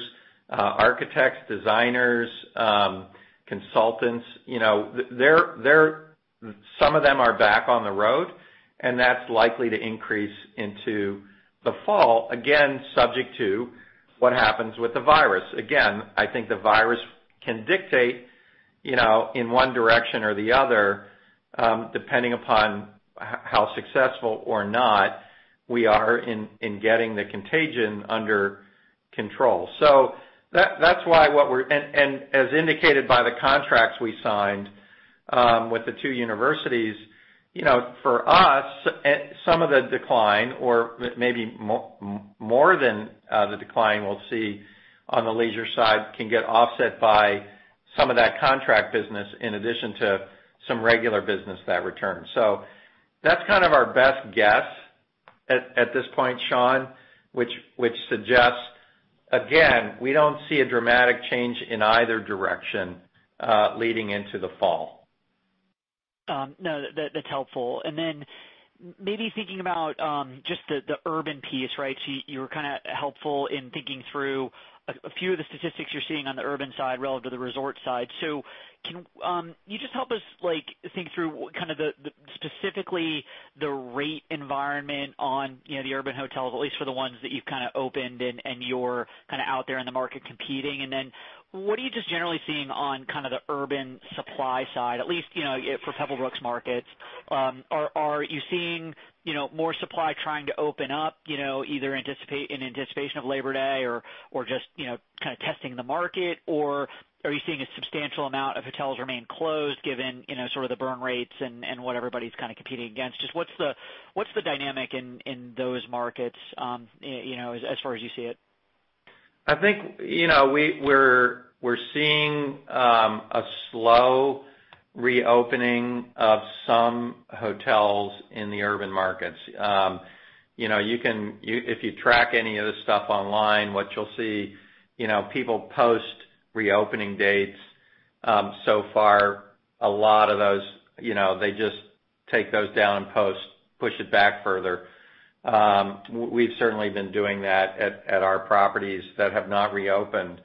architects, designers, consultants. Some of them are back on the road. That's likely to increase into the fall, again, subject to what happens with the virus. I think the virus can dictate, you know, in one direction or the other, depending upon how successful or not we are in getting the contagion under control. As indicated by the contracts we signed with the two universities, for us, some of the decline, or maybe more than the decline we'll see on the leisure side, can get offset by some of that contract business in addition to some regular business that returns. That's kind of our best guess at this point, Shaun, which suggests, again, we don't see a dramatic change in either direction leading into the fall. No, that's helpful, and then maybe thinking about just the urban piece, right? You were kind of helpful in thinking through a few of the statistics you're seeing on the urban side relative to the resort side. Can you just help us think through kind of specifically the rate environment on the urban hotels, at least for the ones that you've kind of opened and you're kind of out there in the market competing? What are you just generally seeing on kind of the urban supply side, at least for Pebblebrook's markets? Are you seeing more supply trying to open up, either in anticipation of Labor Day or just kind of testing the market? Are you seeing a substantial amount of hotels remain closed given sort of the burn rates and what everybody's kind of competing against, just what's the dynamic in those markets as far as you see it? I think, you know, we're seeing a slow reopening of some hotels in the urban markets. If you track any of this stuff online, what you'll see, you know, people post reopening dates. So far, a lot of those, you know, they just take those down, repost, push it back further. We've certainly been doing that at our properties that have not reopened.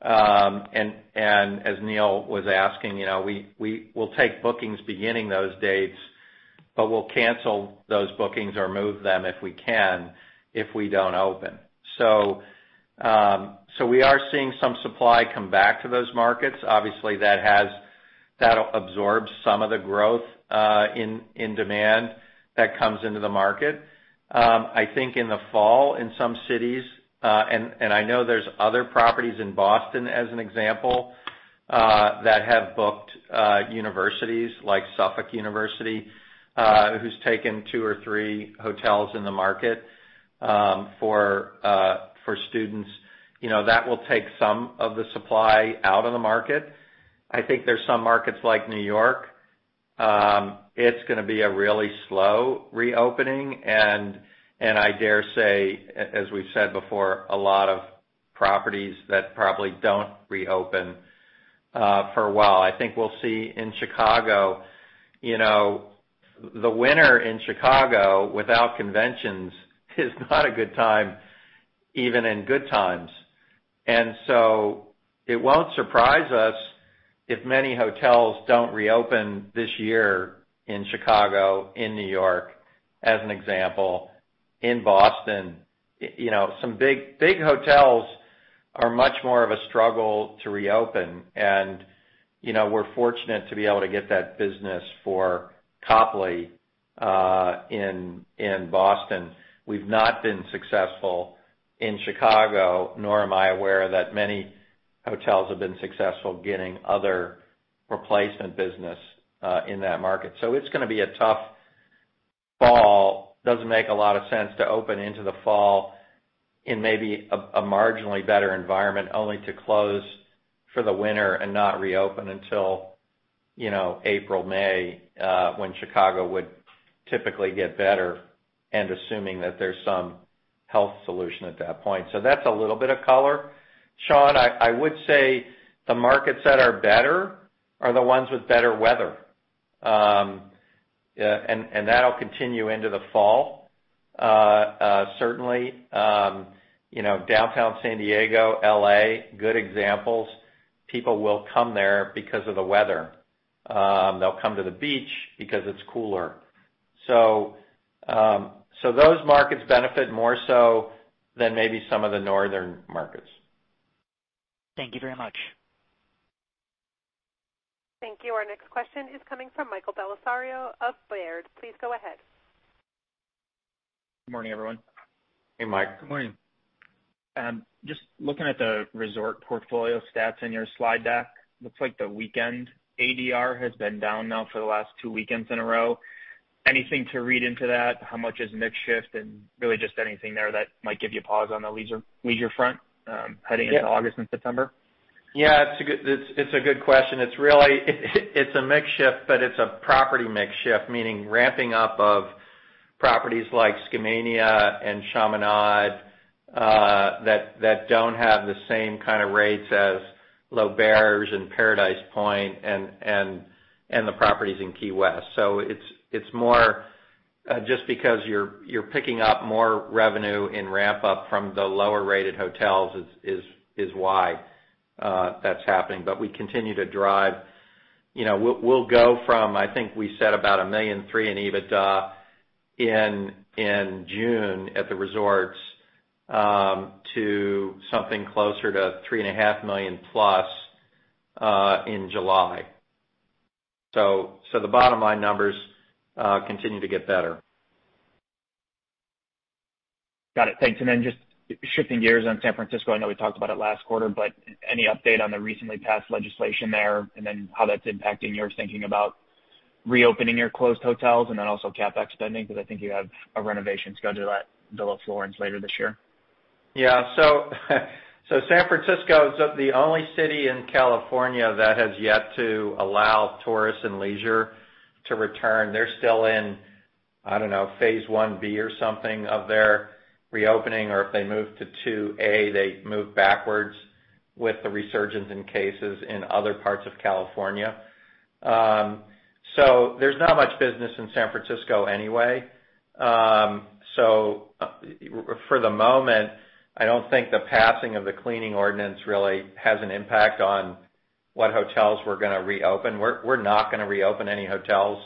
As Neil was asking, you know, we'll take bookings beginning those dates, but we'll cancel those bookings or move them if we can, if we don't open. We are seeing some supply come back to those markets. Obviously, that'll absorb some of the growth in demand that comes into the market. I think in the fall, in some cities, I know there's other properties in Boston, as an example, that have booked universities like Suffolk University, who's taken two or three hotels in the market for students. That will take some of the supply out of the market. I think there's some markets like New York, it's going to be a really slow reopening, and I dare say, as we've said before, a lot of properties that probably don't reopen for a while. I think we'll see in Chicago, the winter in Chicago without conventions is not a good time, even in good times. It won't surprise us if many hotels don't reopen this year in Chicago, in New York, as an example, in Boston. Some big hotels are much more of a struggle to reopen, and we're fortunate to be able to get that business for Copley in Boston. We've not been successful in Chicago, nor am I aware that many hotels have been successful getting other replacement business in that market. It's going to be a tough fall. It doesn't make a lot of sense to open into the fall in maybe a marginally better environment, only to close for the winter and not reopen until, you know, April, May, when Chicago would typically get better, and assuming that there's some health solution at that point, so that's a little bit of color, Shaun. I would say the markets that are better are the ones with better weather. That'll continue into the fall. Certainly, Downtown San Diego, L.A., good examples. People will come there because of the weather and they'll come to the beach because it's cooler. Those markets benefit more so than maybe some of the northern markets. Thank you very much. Thank you. Our next question is coming from Michael Bellisario of Baird. Please go ahead. Good morning, everyone. Hey, Mike. Good morning. Just looking at the resort portfolio stats in your slide deck. Looks like the weekend ADR has been down now for the last two weekends in a row. Anything to read into that? How much is mix shift and really just anything there that might give you pause on the leisure front heading into August and September? Yeah, it's a good question. It's a mix shift, but it's a property mix shift, meaning ramping up of properties like Skamania and Chaminade, that don't have the same kind of rates as L'Auberge and Paradise Point and the properties in Key West. It's more just because you're picking up more revenue in ramp-up from the lower-rated hotels is why that's happening. We continue to drive. We'll go from, I think we said about $1.3 million in EBITDA in June at the resorts, to something closer to $3.5 million plus in July. The bottom line numbers continue to get better. Got it, thanks, and just shifting gears on San Francisco. I know we talked about it last quarter, but any update on the recently passed legislation there, and then how that's impacting your thinking about reopening your closed hotels and then also CapEx spending, because I think you have a renovation schedule at Villa Florence later this year? San Francisco is the only city in California that has yet to allow tourists and leisure to return. They're still in, I don't know, phase 1B or something of their reopening, or if they move to 2A, they move backwards with the resurgence in cases in other parts of California. There's not much business in San Francisco anyway. For the moment, I don't think the passing of the cleaning ordinance really has an impact on what hotels we're going to reopen. We're not going to reopen any hotels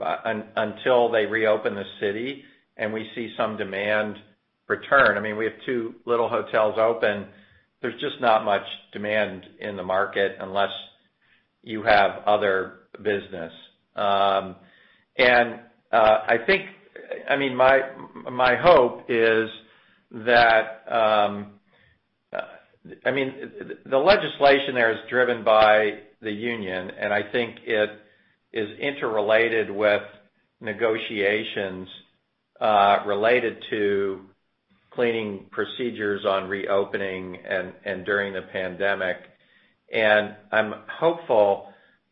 until they reopen the city and we see some demand return. We have two little hotels open. There's just not much demand in the market unless you have other business. The legislation there is driven by the union, and I think it is interrelated with negotiations related to cleaning procedures on reopening and during the pandemic. I'm hopeful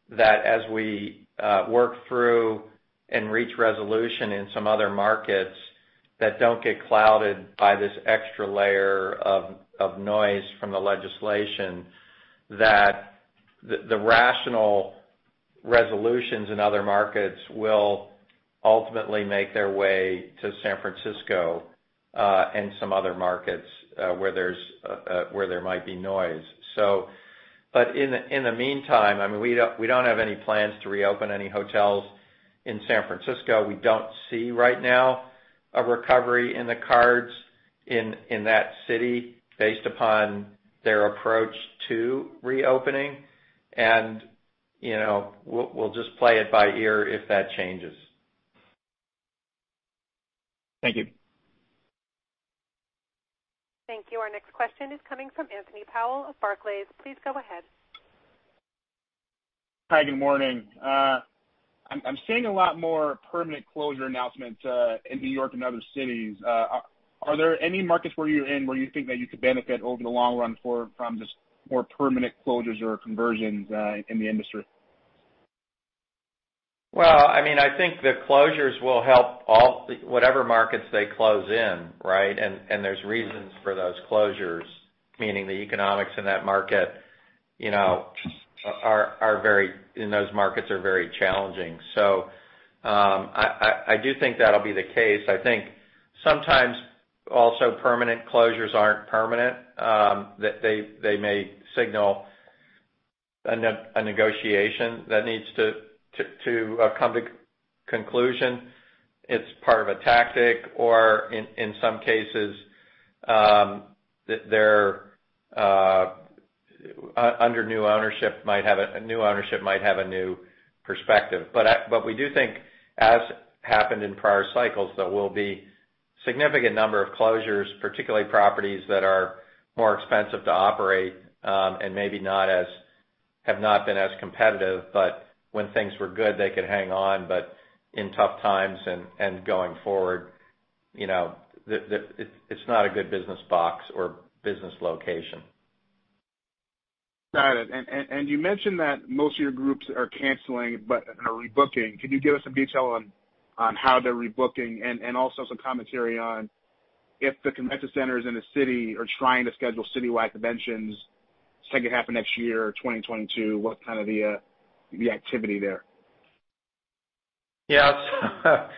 that as we work through and reach resolution in some other markets that don't get clouded by this extra layer of noise from a legislation, that the rational resolutions in other markets will ultimately make their way to San Francisco, and some other markets where there might be noise. In the meantime, we don't have any plans to reopen any hotels in San Francisco. We don't see right now a recovery in the cards in that city based upon their approach to reopening and, you know, we'll just play it by ear if that changes. Thank you. Thank you. Our next question is coming from Anthony Powell of Barclays. Please go ahead. Hi, good morning. I'm seeing a lot more permanent closure announcements in New York and other cities. Are there any markets where you're in, where you think that you could benefit over the long run from just more permanent closures or conversions in the industry? Well, I think the closures will help whatever markets they close in, right? There's reasons for those closures, meaning the economics in those markets are very challenging. I do think that'll be the case. I think sometimes also permanent closures aren't permanent, that they may signal a negotiation that needs to come to conclusion. It's part of a tactic, or in some cases, a new ownership might have a new perspective. We do think, as happened in prior cycles, there will be significant number of closures, particularly properties that are more expensive to operate, and maybe have not been as competitive. When things were good, they could hang on, but in tough times and going forward, you know, it's not a good business box or business location. Got it. You mentioned that most of your groups are canceling but are rebooking. Can you give us some detail on how they're rebooking? Also, some commentary on if the convention centers in the city are trying to schedule citywide conventions, second half of next year or 2022, what kind of the activity there? Yeah.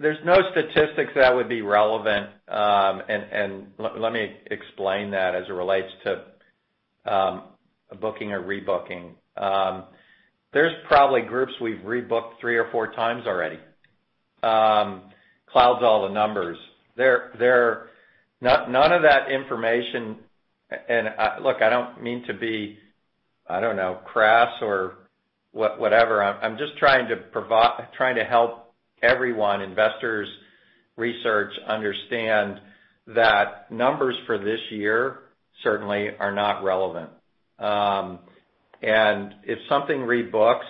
There's no statistics that would be relevant, and let me explain that as it relates to a booking or rebooking. There's probably groups we've rebooked three or four times already. It clouds all the numbers. Look, I don't mean to be, I don't know, crass or whatever. I'm just trying to help everyone, investors, research understand that numbers for this year certainly are not relevant. If something rebooks,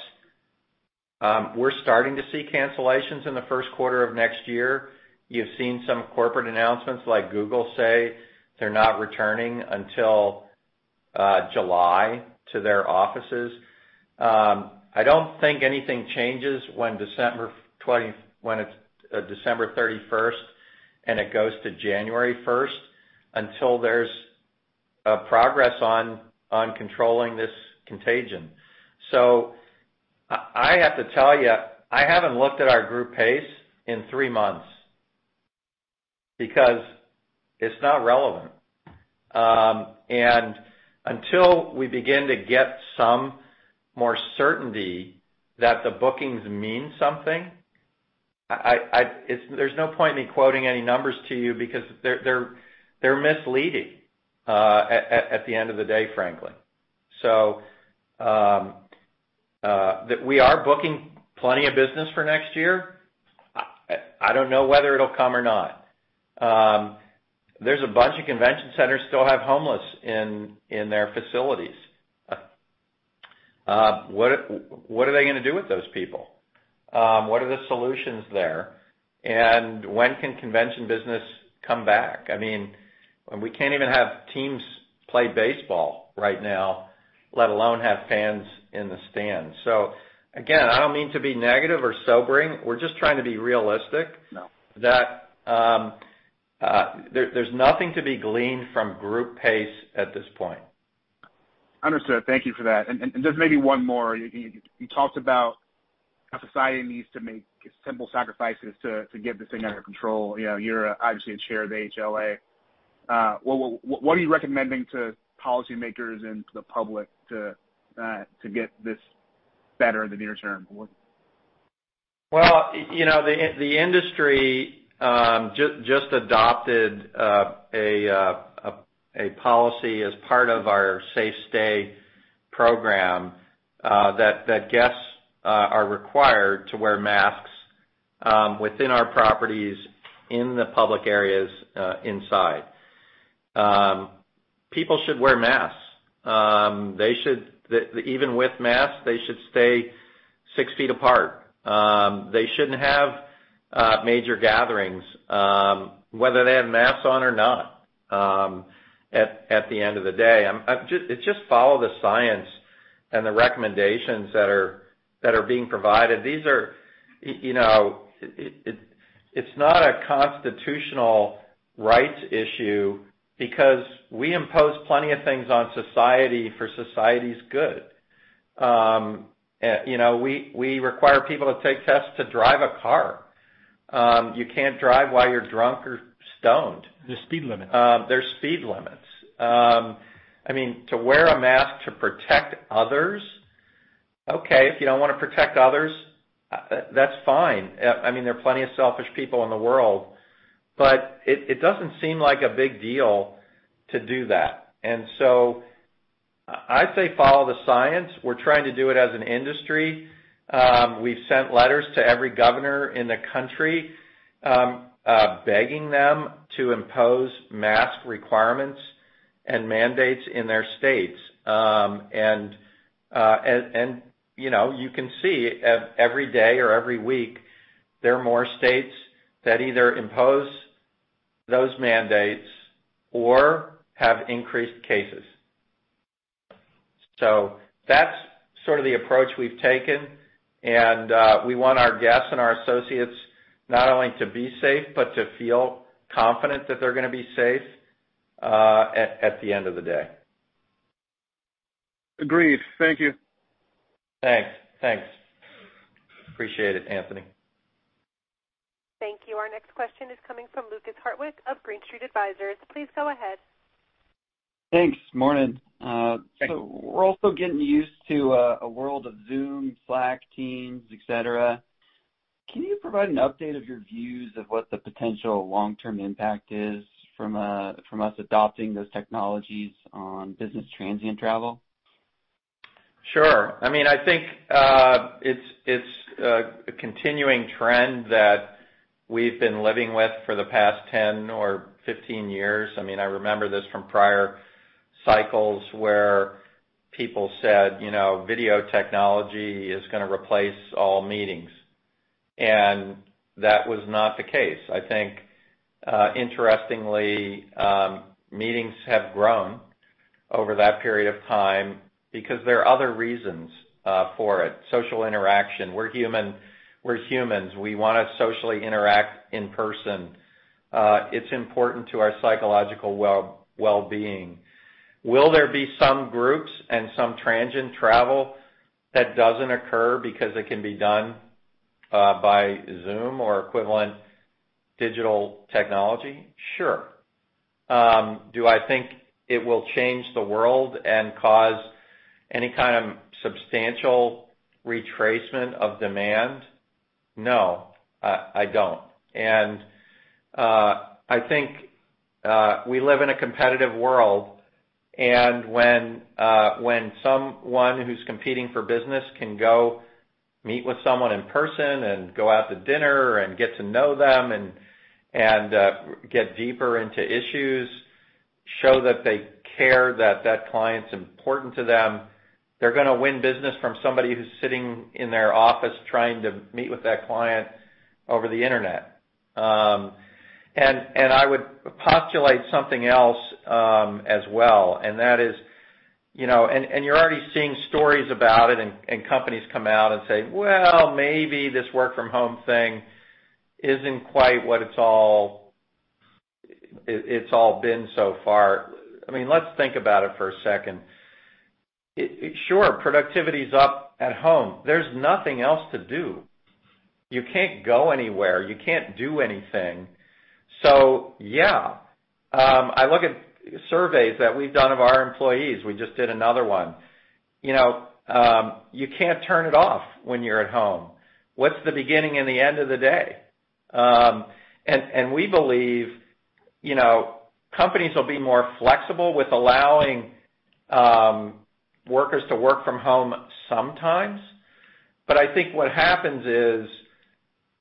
we're starting to see cancellations in the first quarter of next year. You've seen some corporate announcements like Google say they're not returning until July to their offices. I don't think anything changes when it's December 31st and it goes to January 1st, until there's a progress on controlling this contagion. I have to tell you, I haven't looked at our group pace in three months because it's not relevant. Until we begin to get some more certainty that the bookings mean something, there's no point in me quoting any numbers to you because they're misleading at the end of the day, frankly. We are booking plenty of business for next year. I don't know whether it'll come or not. There's a bunch of convention centers still have homeless in their facilities. What are they going to do with those people? What are the solutions there? When can convention business come back? When we can't even have teams play baseball right now, let alone have fans in the stands. Again, I don't mean to be negative or sobering. We're just trying to be realistic. There's nothing to be gleaned from group pace at this point. Understood, thank you for that, and then just maybe one more. You talked about how society needs to make simple sacrifices to get this thing under control. You're obviously a Chair of the AHLA. What are you recommending to policymakers and the public to get this better in the near term? Well, the industry just adopted a policy as part of our Safe Stay program, that guests are required to wear masks within our properties in the public areas inside. People should wear masks. Even with masks, they should stay 6 ft apart. They shouldn't have major gatherings, whether they have masks on or not at the end of the day. It's just follow the science and the recommendations that are being provided. It's not a constitutional rights issue because we impose plenty of things on society for society's good. We require people to take tests to drive a car. You can't drive while you're drunk or stoned. There's speed limits. There's speed limits. I mean, to wear a mask to protect others, okay. If you don't want to protect others, that's fine. There are plenty of selfish people in the world. It doesn't seem like a big deal to do that. I say follow the science. We're trying to do it as an industry. We've sent letters to every governor in the country, begging them to impose mask requirements and mandates in their states. You can see every day or every week, there are more states that either impose those mandates or have increased cases, so that's sort of the approach we've taken, and we want our guests and our associates not only to be safe, but to feel confident that they're going to be safe at the end of the day. Agreed. Thank you. Thanks. Appreciate it, Anthony. Thank you. Our next question is coming from Lukas Hartwich of Green Street Advisors. Please go ahead. Thanks. Good morning. Hey. We're also getting used to a world of Zoom, Slack, Teams, et cetera. Can you provide an update of your views of what the potential long-term impact is from us adopting those technologies on business transient travel? Sure. I think it's a continuing trend that we've been living with for the past 10 years or 15 years. I remember this from prior cycles where people said video technology is going to replace all meetings and that was not the case. I think, interestingly, meetings have grown over that period of time because there are other reasons for it, social interaction. We're humans. We want to socially interact in person. It's important to our psychological well-being. Will there be some groups and some transient travel that doesn't occur because it can be done by Zoom or equivalent digital technology? Sure. Do I think it will change the world and cause any kind of substantial retracement of demand? No, I don't. I think we live in a competitive world, and when someone who's competing for business can go meet with someone in person and go out to dinner and get to know them and get deeper into issues, show that they care, that that client's important to them, they're going to win business from somebody who's sitting in their office trying to meet with that client over the internet. I would postulate something else as well, and that is, you know, and you're already seeing stories about it, companies come out and say, "Well, maybe this work from home thing isn't quite what it's all been so far." Let's think about it for a second. Sure, productivity's up at home. There's nothing else to do. You can't go anywhere. You can't do anything. Yeah. I look at surveys that we've done of our employees. We just did another one. You can't turn it off when you're at home. What's the beginning and the end of the day? We believe, you know, companies will be more flexible with allowing workers to work from home sometimes. I think what happens is,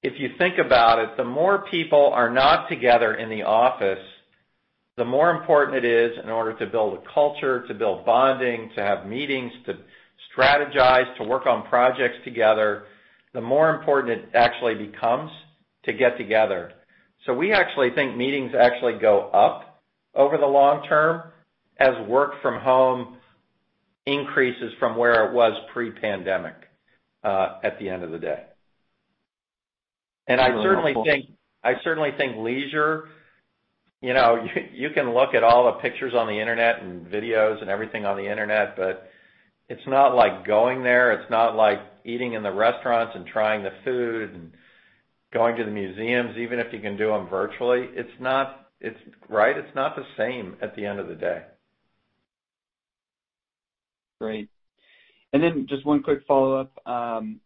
if you think about it, the more people are not together in the office, the more important it is in order to build a culture, to build bonding, to have meetings, to strategize, to work on projects together, the more important it actually becomes to get together. We actually think meetings actually go up over the long term as work from home increases from where it was pre-pandemic at the end of the day. I certainly think, leisure, you know, you can look at all the pictures on the internet and videos and everything on the internet, but it's not like going there. It's not like eating in the restaurants and trying the food and going to the museums, even if you can do them virtually. It's not the same at the end of the day. Great and then just one quick follow-up.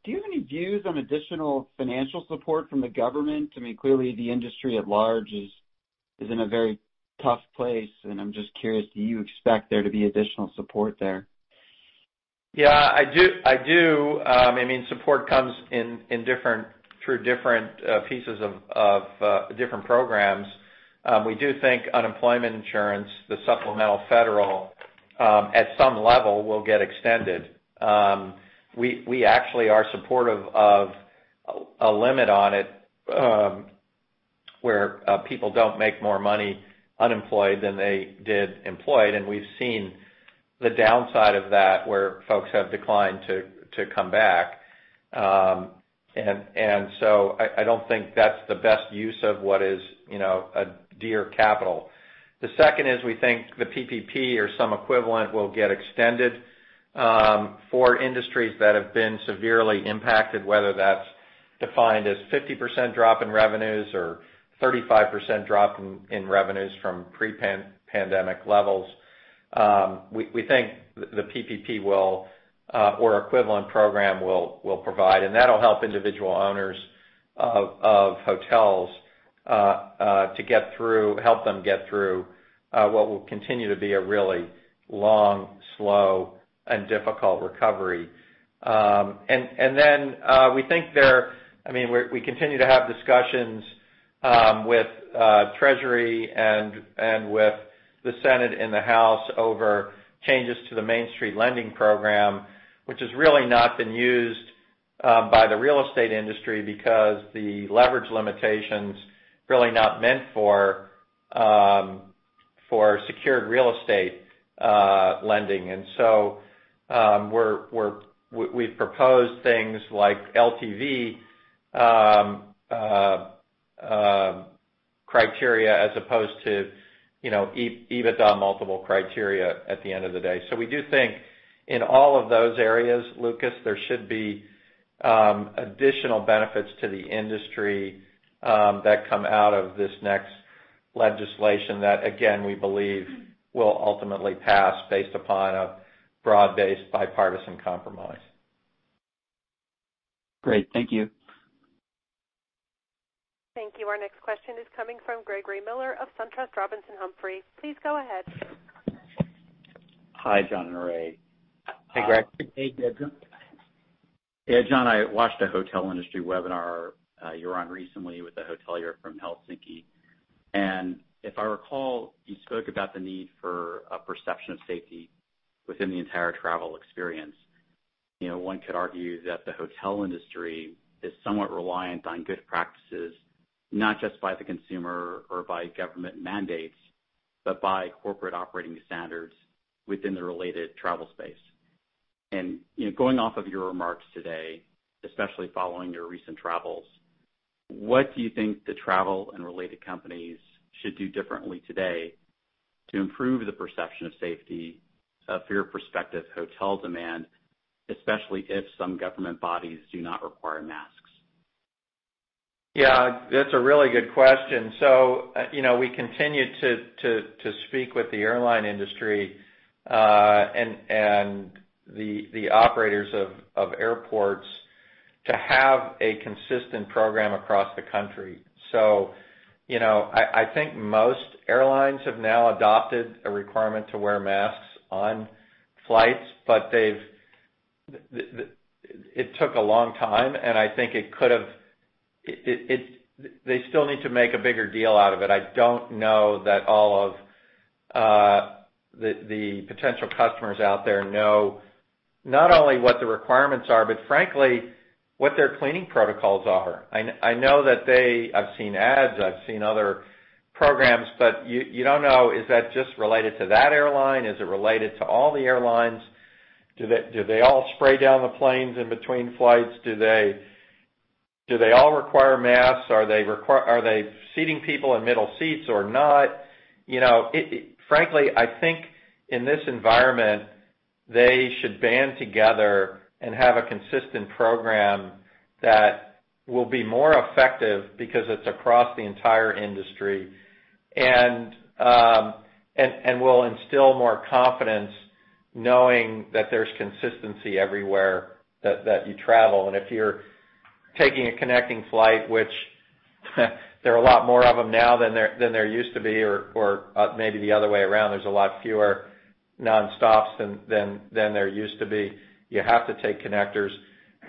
Do you have any views on additional financial support from the government? Clearly, the industry at large is in a very tough place, and I'm just curious, do you expect there to be additional support there? Yeah, I do. Support comes through different pieces of different programs. We do think unemployment insurance, the supplemental federal at some level, will get extended. We actually are supportive of a limit on it, where people don't make more money unemployed than they did employed. We've seen the downside of that, where folks have declined to come back. I don't think that's the best use of what is a dear capital. The second is we think the PPP or some equivalent will get extended for industries that have been severely impacted, whether that's defined as 50% drop in revenues or 35% drop in revenues from pre-pandemic levels. We think the PPP will, or equivalent program will provide, and that'll help individual owners of hotels to help them get through what will continue to be a really long, slow and difficult recovery. We continue to have discussions with Treasury and with the Senate and the House over changes to the Main Street Lending Program, which has really not been used by the real estate industry because the leverage limitation's really not meant for secured real estate lending. We've proposed things like LTV criteria as opposed to, you know, EBITDA multiple criteria at the end of the day. We do think in all of those areas, Lukas, there should be additional benefits to the industry that come out of this next legislation that again, we believe will ultimately pass based upon a broad-based bipartisan compromise. Great. Thank you. Thank you. Our next question is coming from Gregory Miller of SunTrust Robinson Humphrey. Please go ahead. Hi, Jon and Ray. Hey, Greg. Hey, Greg. Yeah. Jon, I watched a hotel industry webinar you were on recently with a hotelier from Helsinki, and if I recall, you spoke about the need for a perception of safety within the entire travel experience. One could argue that the hotel industry is somewhat reliant on good practices, not just by the consumer or by government mandates, but by corporate operating standards within the related travel space. Going off of your remarks today, especially following your recent travels, what do you think the travel and related companies should do differently today to improve the perception of safety for your prospective hotel demand, especially if some government bodies do not require masks? Yeah, that's a really good question. We continue to speak with the airline industry and the operators of airports to have a consistent program across the country. I think most airlines have now adopted a requirement to wear masks on flights, but it took a long time, and I think they still need to make a bigger deal out of it. I don't know that all of the potential customers out there know not only what the requirements are, but frankly, what their cleaning protocols are. I know that I've seen ads, I've seen other programs, but you don't know, is that just related to that airline? Is it related to all the airlines? Do they all spray down the planes in between flights? Do they all require masks? Are they seating people in middle seats or not? Frankly, I think in this environment, they should band together and have a consistent program that will be more effective because it's across the entire industry, and will instill more confidence knowing that there's consistency everywhere that you travel. If you're taking a connecting flight, which there are a lot more of them now than there used to be or maybe the other way around, there's a lot fewer non-stops than there used to be. You have to take connectors.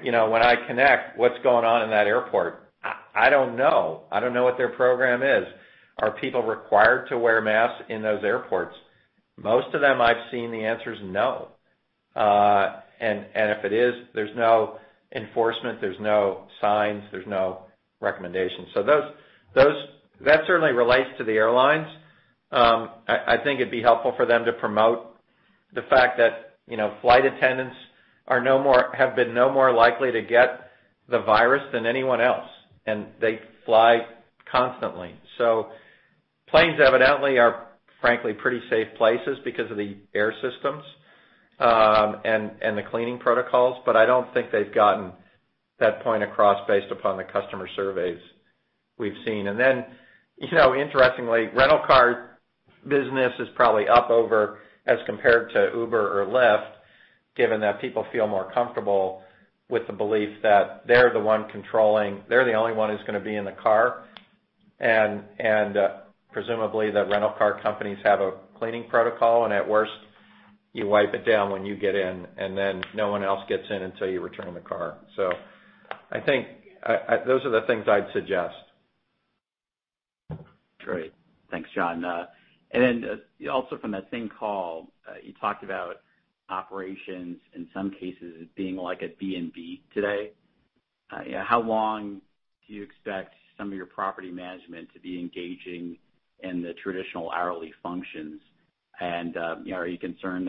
When I connect, what's going on in that airport? I don't know. I don't know what their program is. Are people required to wear masks in those airports? Most of them I've seen the answer is no. If it is, there's no enforcement, there's no signs, there's no recommendations, so that certainly relates to the airlines. I think it'd be helpful for them to promote the fact that flight attendants have been no more likely to get the virus than anyone else, and they fly constantly. Planes evidently are, frankly, pretty safe places because of the air systems, and the cleaning protocols. I don't think they've gotten that point across based upon the customer surveys we've seen. Interestingly, rental car business is probably up over as compared to Uber or Lyft, given that people feel more comfortable with the belief that they're the only one who's going to be in the car. Presumably, the rental car companies have a cleaning protocol, and at worst, you wipe it down when you get in, and then no one else gets in until you return the car. I think those are the things I'd suggest. Great, thanks, Jon, and also from that same call, you talked about operations in some cases as being like a B&B today. How long do you expect some of your property management to be engaging in the traditional hourly functions? Are you concerned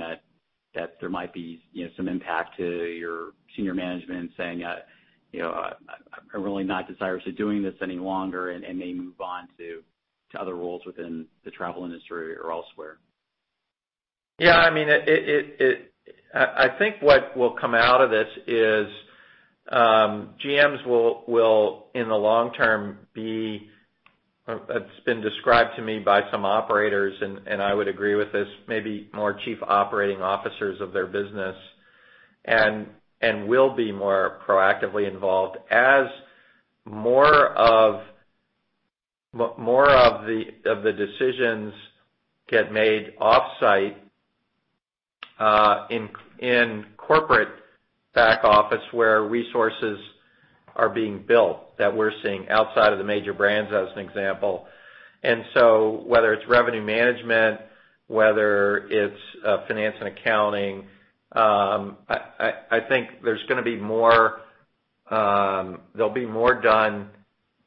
that there might be some impact to your senior management saying, "I'm really not desirous of doing this any longer," and may move on to other roles within the travel industry or elsewhere? Yeah. I think what will come out of this is GMs will, in the long term, be, it's been described to me by some operators, and I would agree with this, maybe more chief operating officers of their business and will be more proactively involved as more of the decisions get made offsite in corporate back office where resources are being built, that we're seeing outside of the major brands as an example. Whether it's revenue management, whether it's finance and accounting, I think there's going to be more done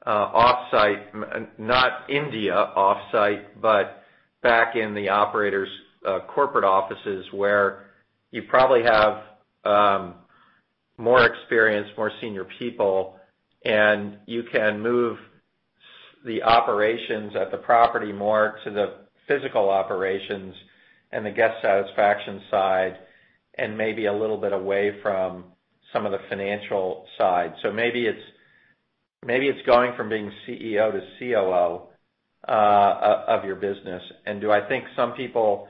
offsite, not India offsite, but back in the operator's corporate offices where you probably have more experienced, more senior people, and you can move the operations at the property more to the physical operations and the guest satisfaction side and maybe a little bit away from some of the financial side. Maybe it's going from being CEO to COO of your business. Do I think some people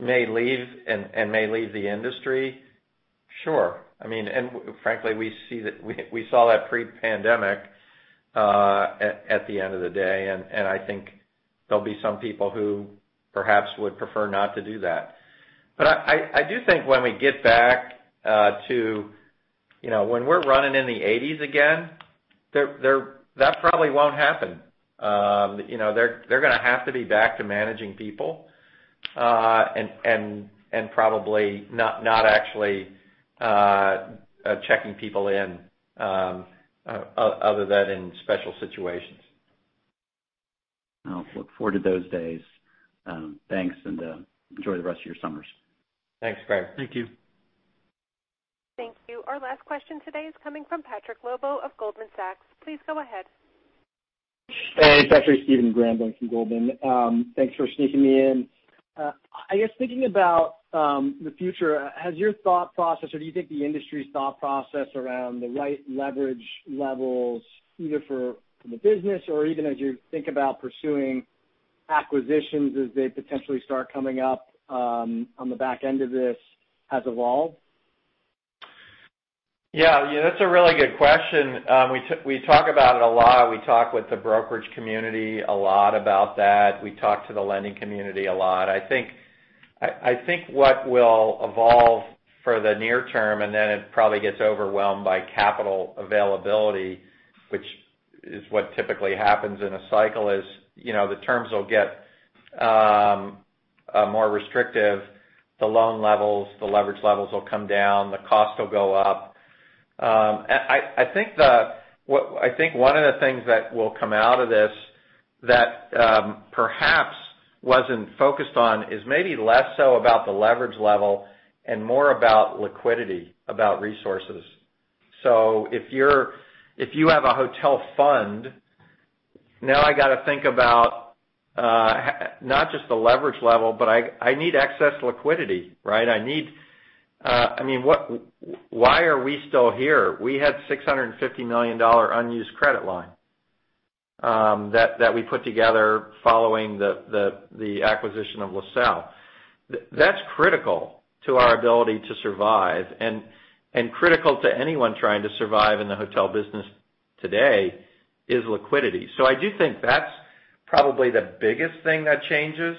may leave and may leave the industry? Sure. Frankly, we saw that pre-pandemic at the end of the day, and I think there'll be some people who perhaps would prefer not to do that. I do think when we get back to when we're running in the 80s again, that probably won't happen. They're going to have to be back to managing people, and probably not actually checking people in, other than in special situations. I'll look forward to those days. Thanks and enjoy the rest of your summers. Thanks, Greg. Thank you. Thank you. Our last question today is coming from Patrick Lobo of Goldman Sachs. Please go ahead. Hey, it's actually Stephen Grambling from Goldman. Thanks for sneaking me in. I guess thinking about the future, has your thought process, or do you think the industry's thought process around the right leverage levels, either for the business or even as you think about pursuing acquisitions as they potentially start coming up on the back end of this, has evolved? Yeah, that's a really good question. We talk about it a lot. We talk with the brokerage community a lot about that. We talk to the lending community a lot. I think what will evolve for the near term, and then it probably gets overwhelmed by capital availability, which is what typically happens in a cycle, is, you know, the terms will get more restrictive. The loan levels, the leverage levels will come down, the cost will go up. I think one of the things that will come out of this that perhaps wasn't focused on is maybe less so about the leverage level and more about liquidity, about resources. If you have a hotel fund, now I got to think about not just the leverage level, but I need excess liquidity, right? Why are we still here? We had $650 million unused credit line that we put together following the acquisition of LaSalle. That's critical to our ability to survive, and critical to anyone trying to survive in the hotel business today is liquidity. I do think that's probably the biggest thing that changes.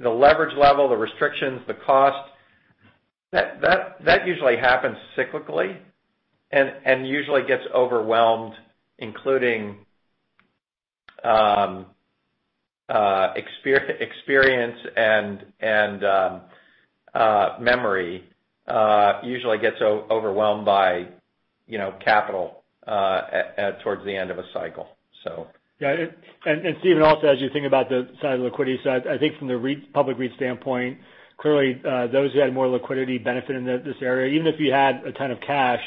The leverage level, the restrictions, the cost, that usually happens cyclically and usually gets overwhelmed, including experience, and memory, usually gets overwhelmed by, you know, capital towards the end of a cycle. Yeah. Stephen, also, as you think about the side of liquidity side, I think from the public REIT standpoint, clearly, those who had more liquidity benefit in this area. Even if you had a ton of cash,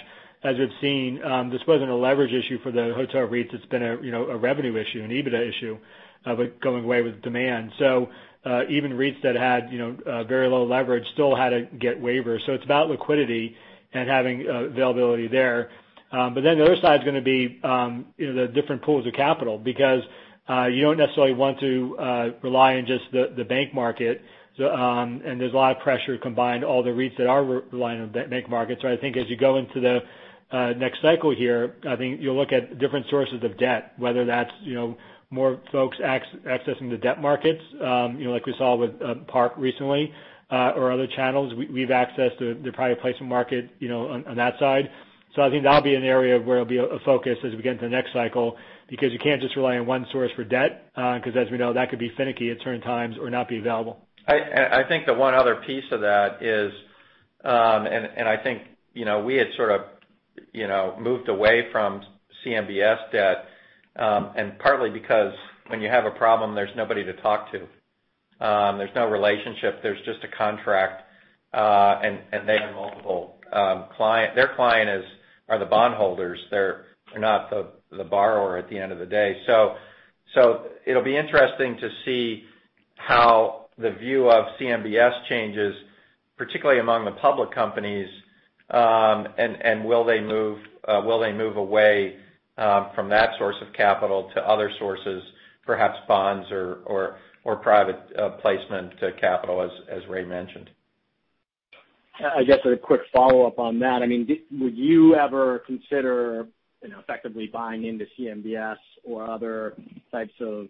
as we've seen, this wasn't a leverage issue for the hotel REITs. It's been a revenue issue, an EBITDA issue of it going away with demand. Even REITs that had very low leverage still had to get waivers. It's about liquidity and having availability there. The other side is going to be the different pools of capital because you don't necessarily want to rely on just the bank market, and there's a lot of pressure combined, all the REITs that are relying on bank markets. I think as you go into the next cycle here, I think you'll look at different sources of debt, whether that's more folks accessing the debt markets like we saw with Park recently, or other channels. We've accessed the private placement market on that side. I think that'll be an area where it'll be a focus as we get into the next cycle, because you can't just rely on one source for debt, because as we know, that could be finicky at certain times or not be available. I think the one other piece of that is, I think, we had sort of moved away from CMBS debt, and partly because when you have a problem, there's nobody to talk to. There's no relationship, there's just a contract, and they have multiple clients. Their client are the bond holders. They're not the borrower at the end of the day. It'll be interesting to see how the view of CMBS changes, particularly among the public companies, and will they move away from that source of capital to other sources, perhaps bonds or private placement capital, as Ray mentioned. I guess as a quick follow-up on that, would you ever consider, you know, effectively buying into CMBS or other types of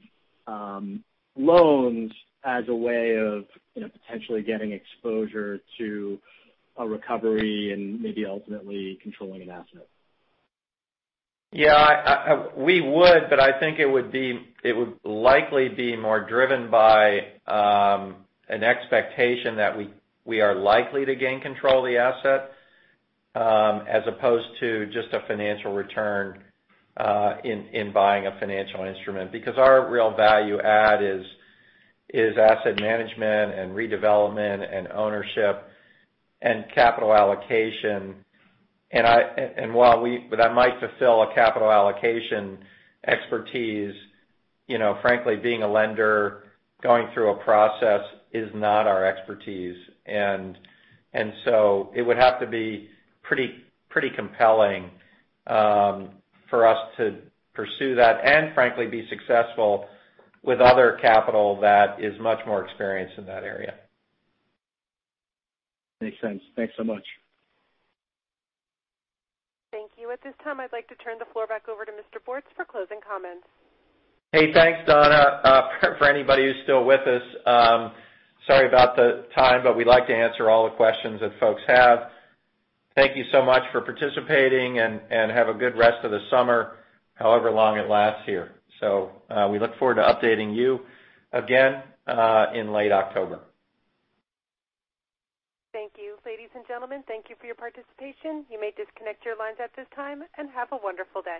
loans as a way of potentially getting exposure to a recovery and maybe ultimately controlling an asset? Yeah. We would, but I think it would likely be more driven by an expectation that we are likely to gain control of the asset, as opposed to just a financial return in buying a financial instrument. Our real value add is asset management and redevelopment and ownership and capital allocation, and while that might fulfill a capital allocation expertise, you know, frankly, being a lender, going through a process is not our expertise. It would have to be pretty compelling for us to pursue that and frankly, be successful with other capital that is much more experienced in that area. Makes sense. Thanks so much. Thank you. At this time, I'd like to turn the floor back over to Mr. Bortz for closing comments. Hey, thanks, Donna. For anybody who's still with us, sorry about the time, but we'd like to answer all the questions that folks have. Thank you so much for participating, and have a good rest of the summer, however long it lasts here. We look forward to updating you, again, in late October. Thank you. Ladies and gentlemen, thank you for your participation. You may disconnect your lines at this time and have a wonderful day.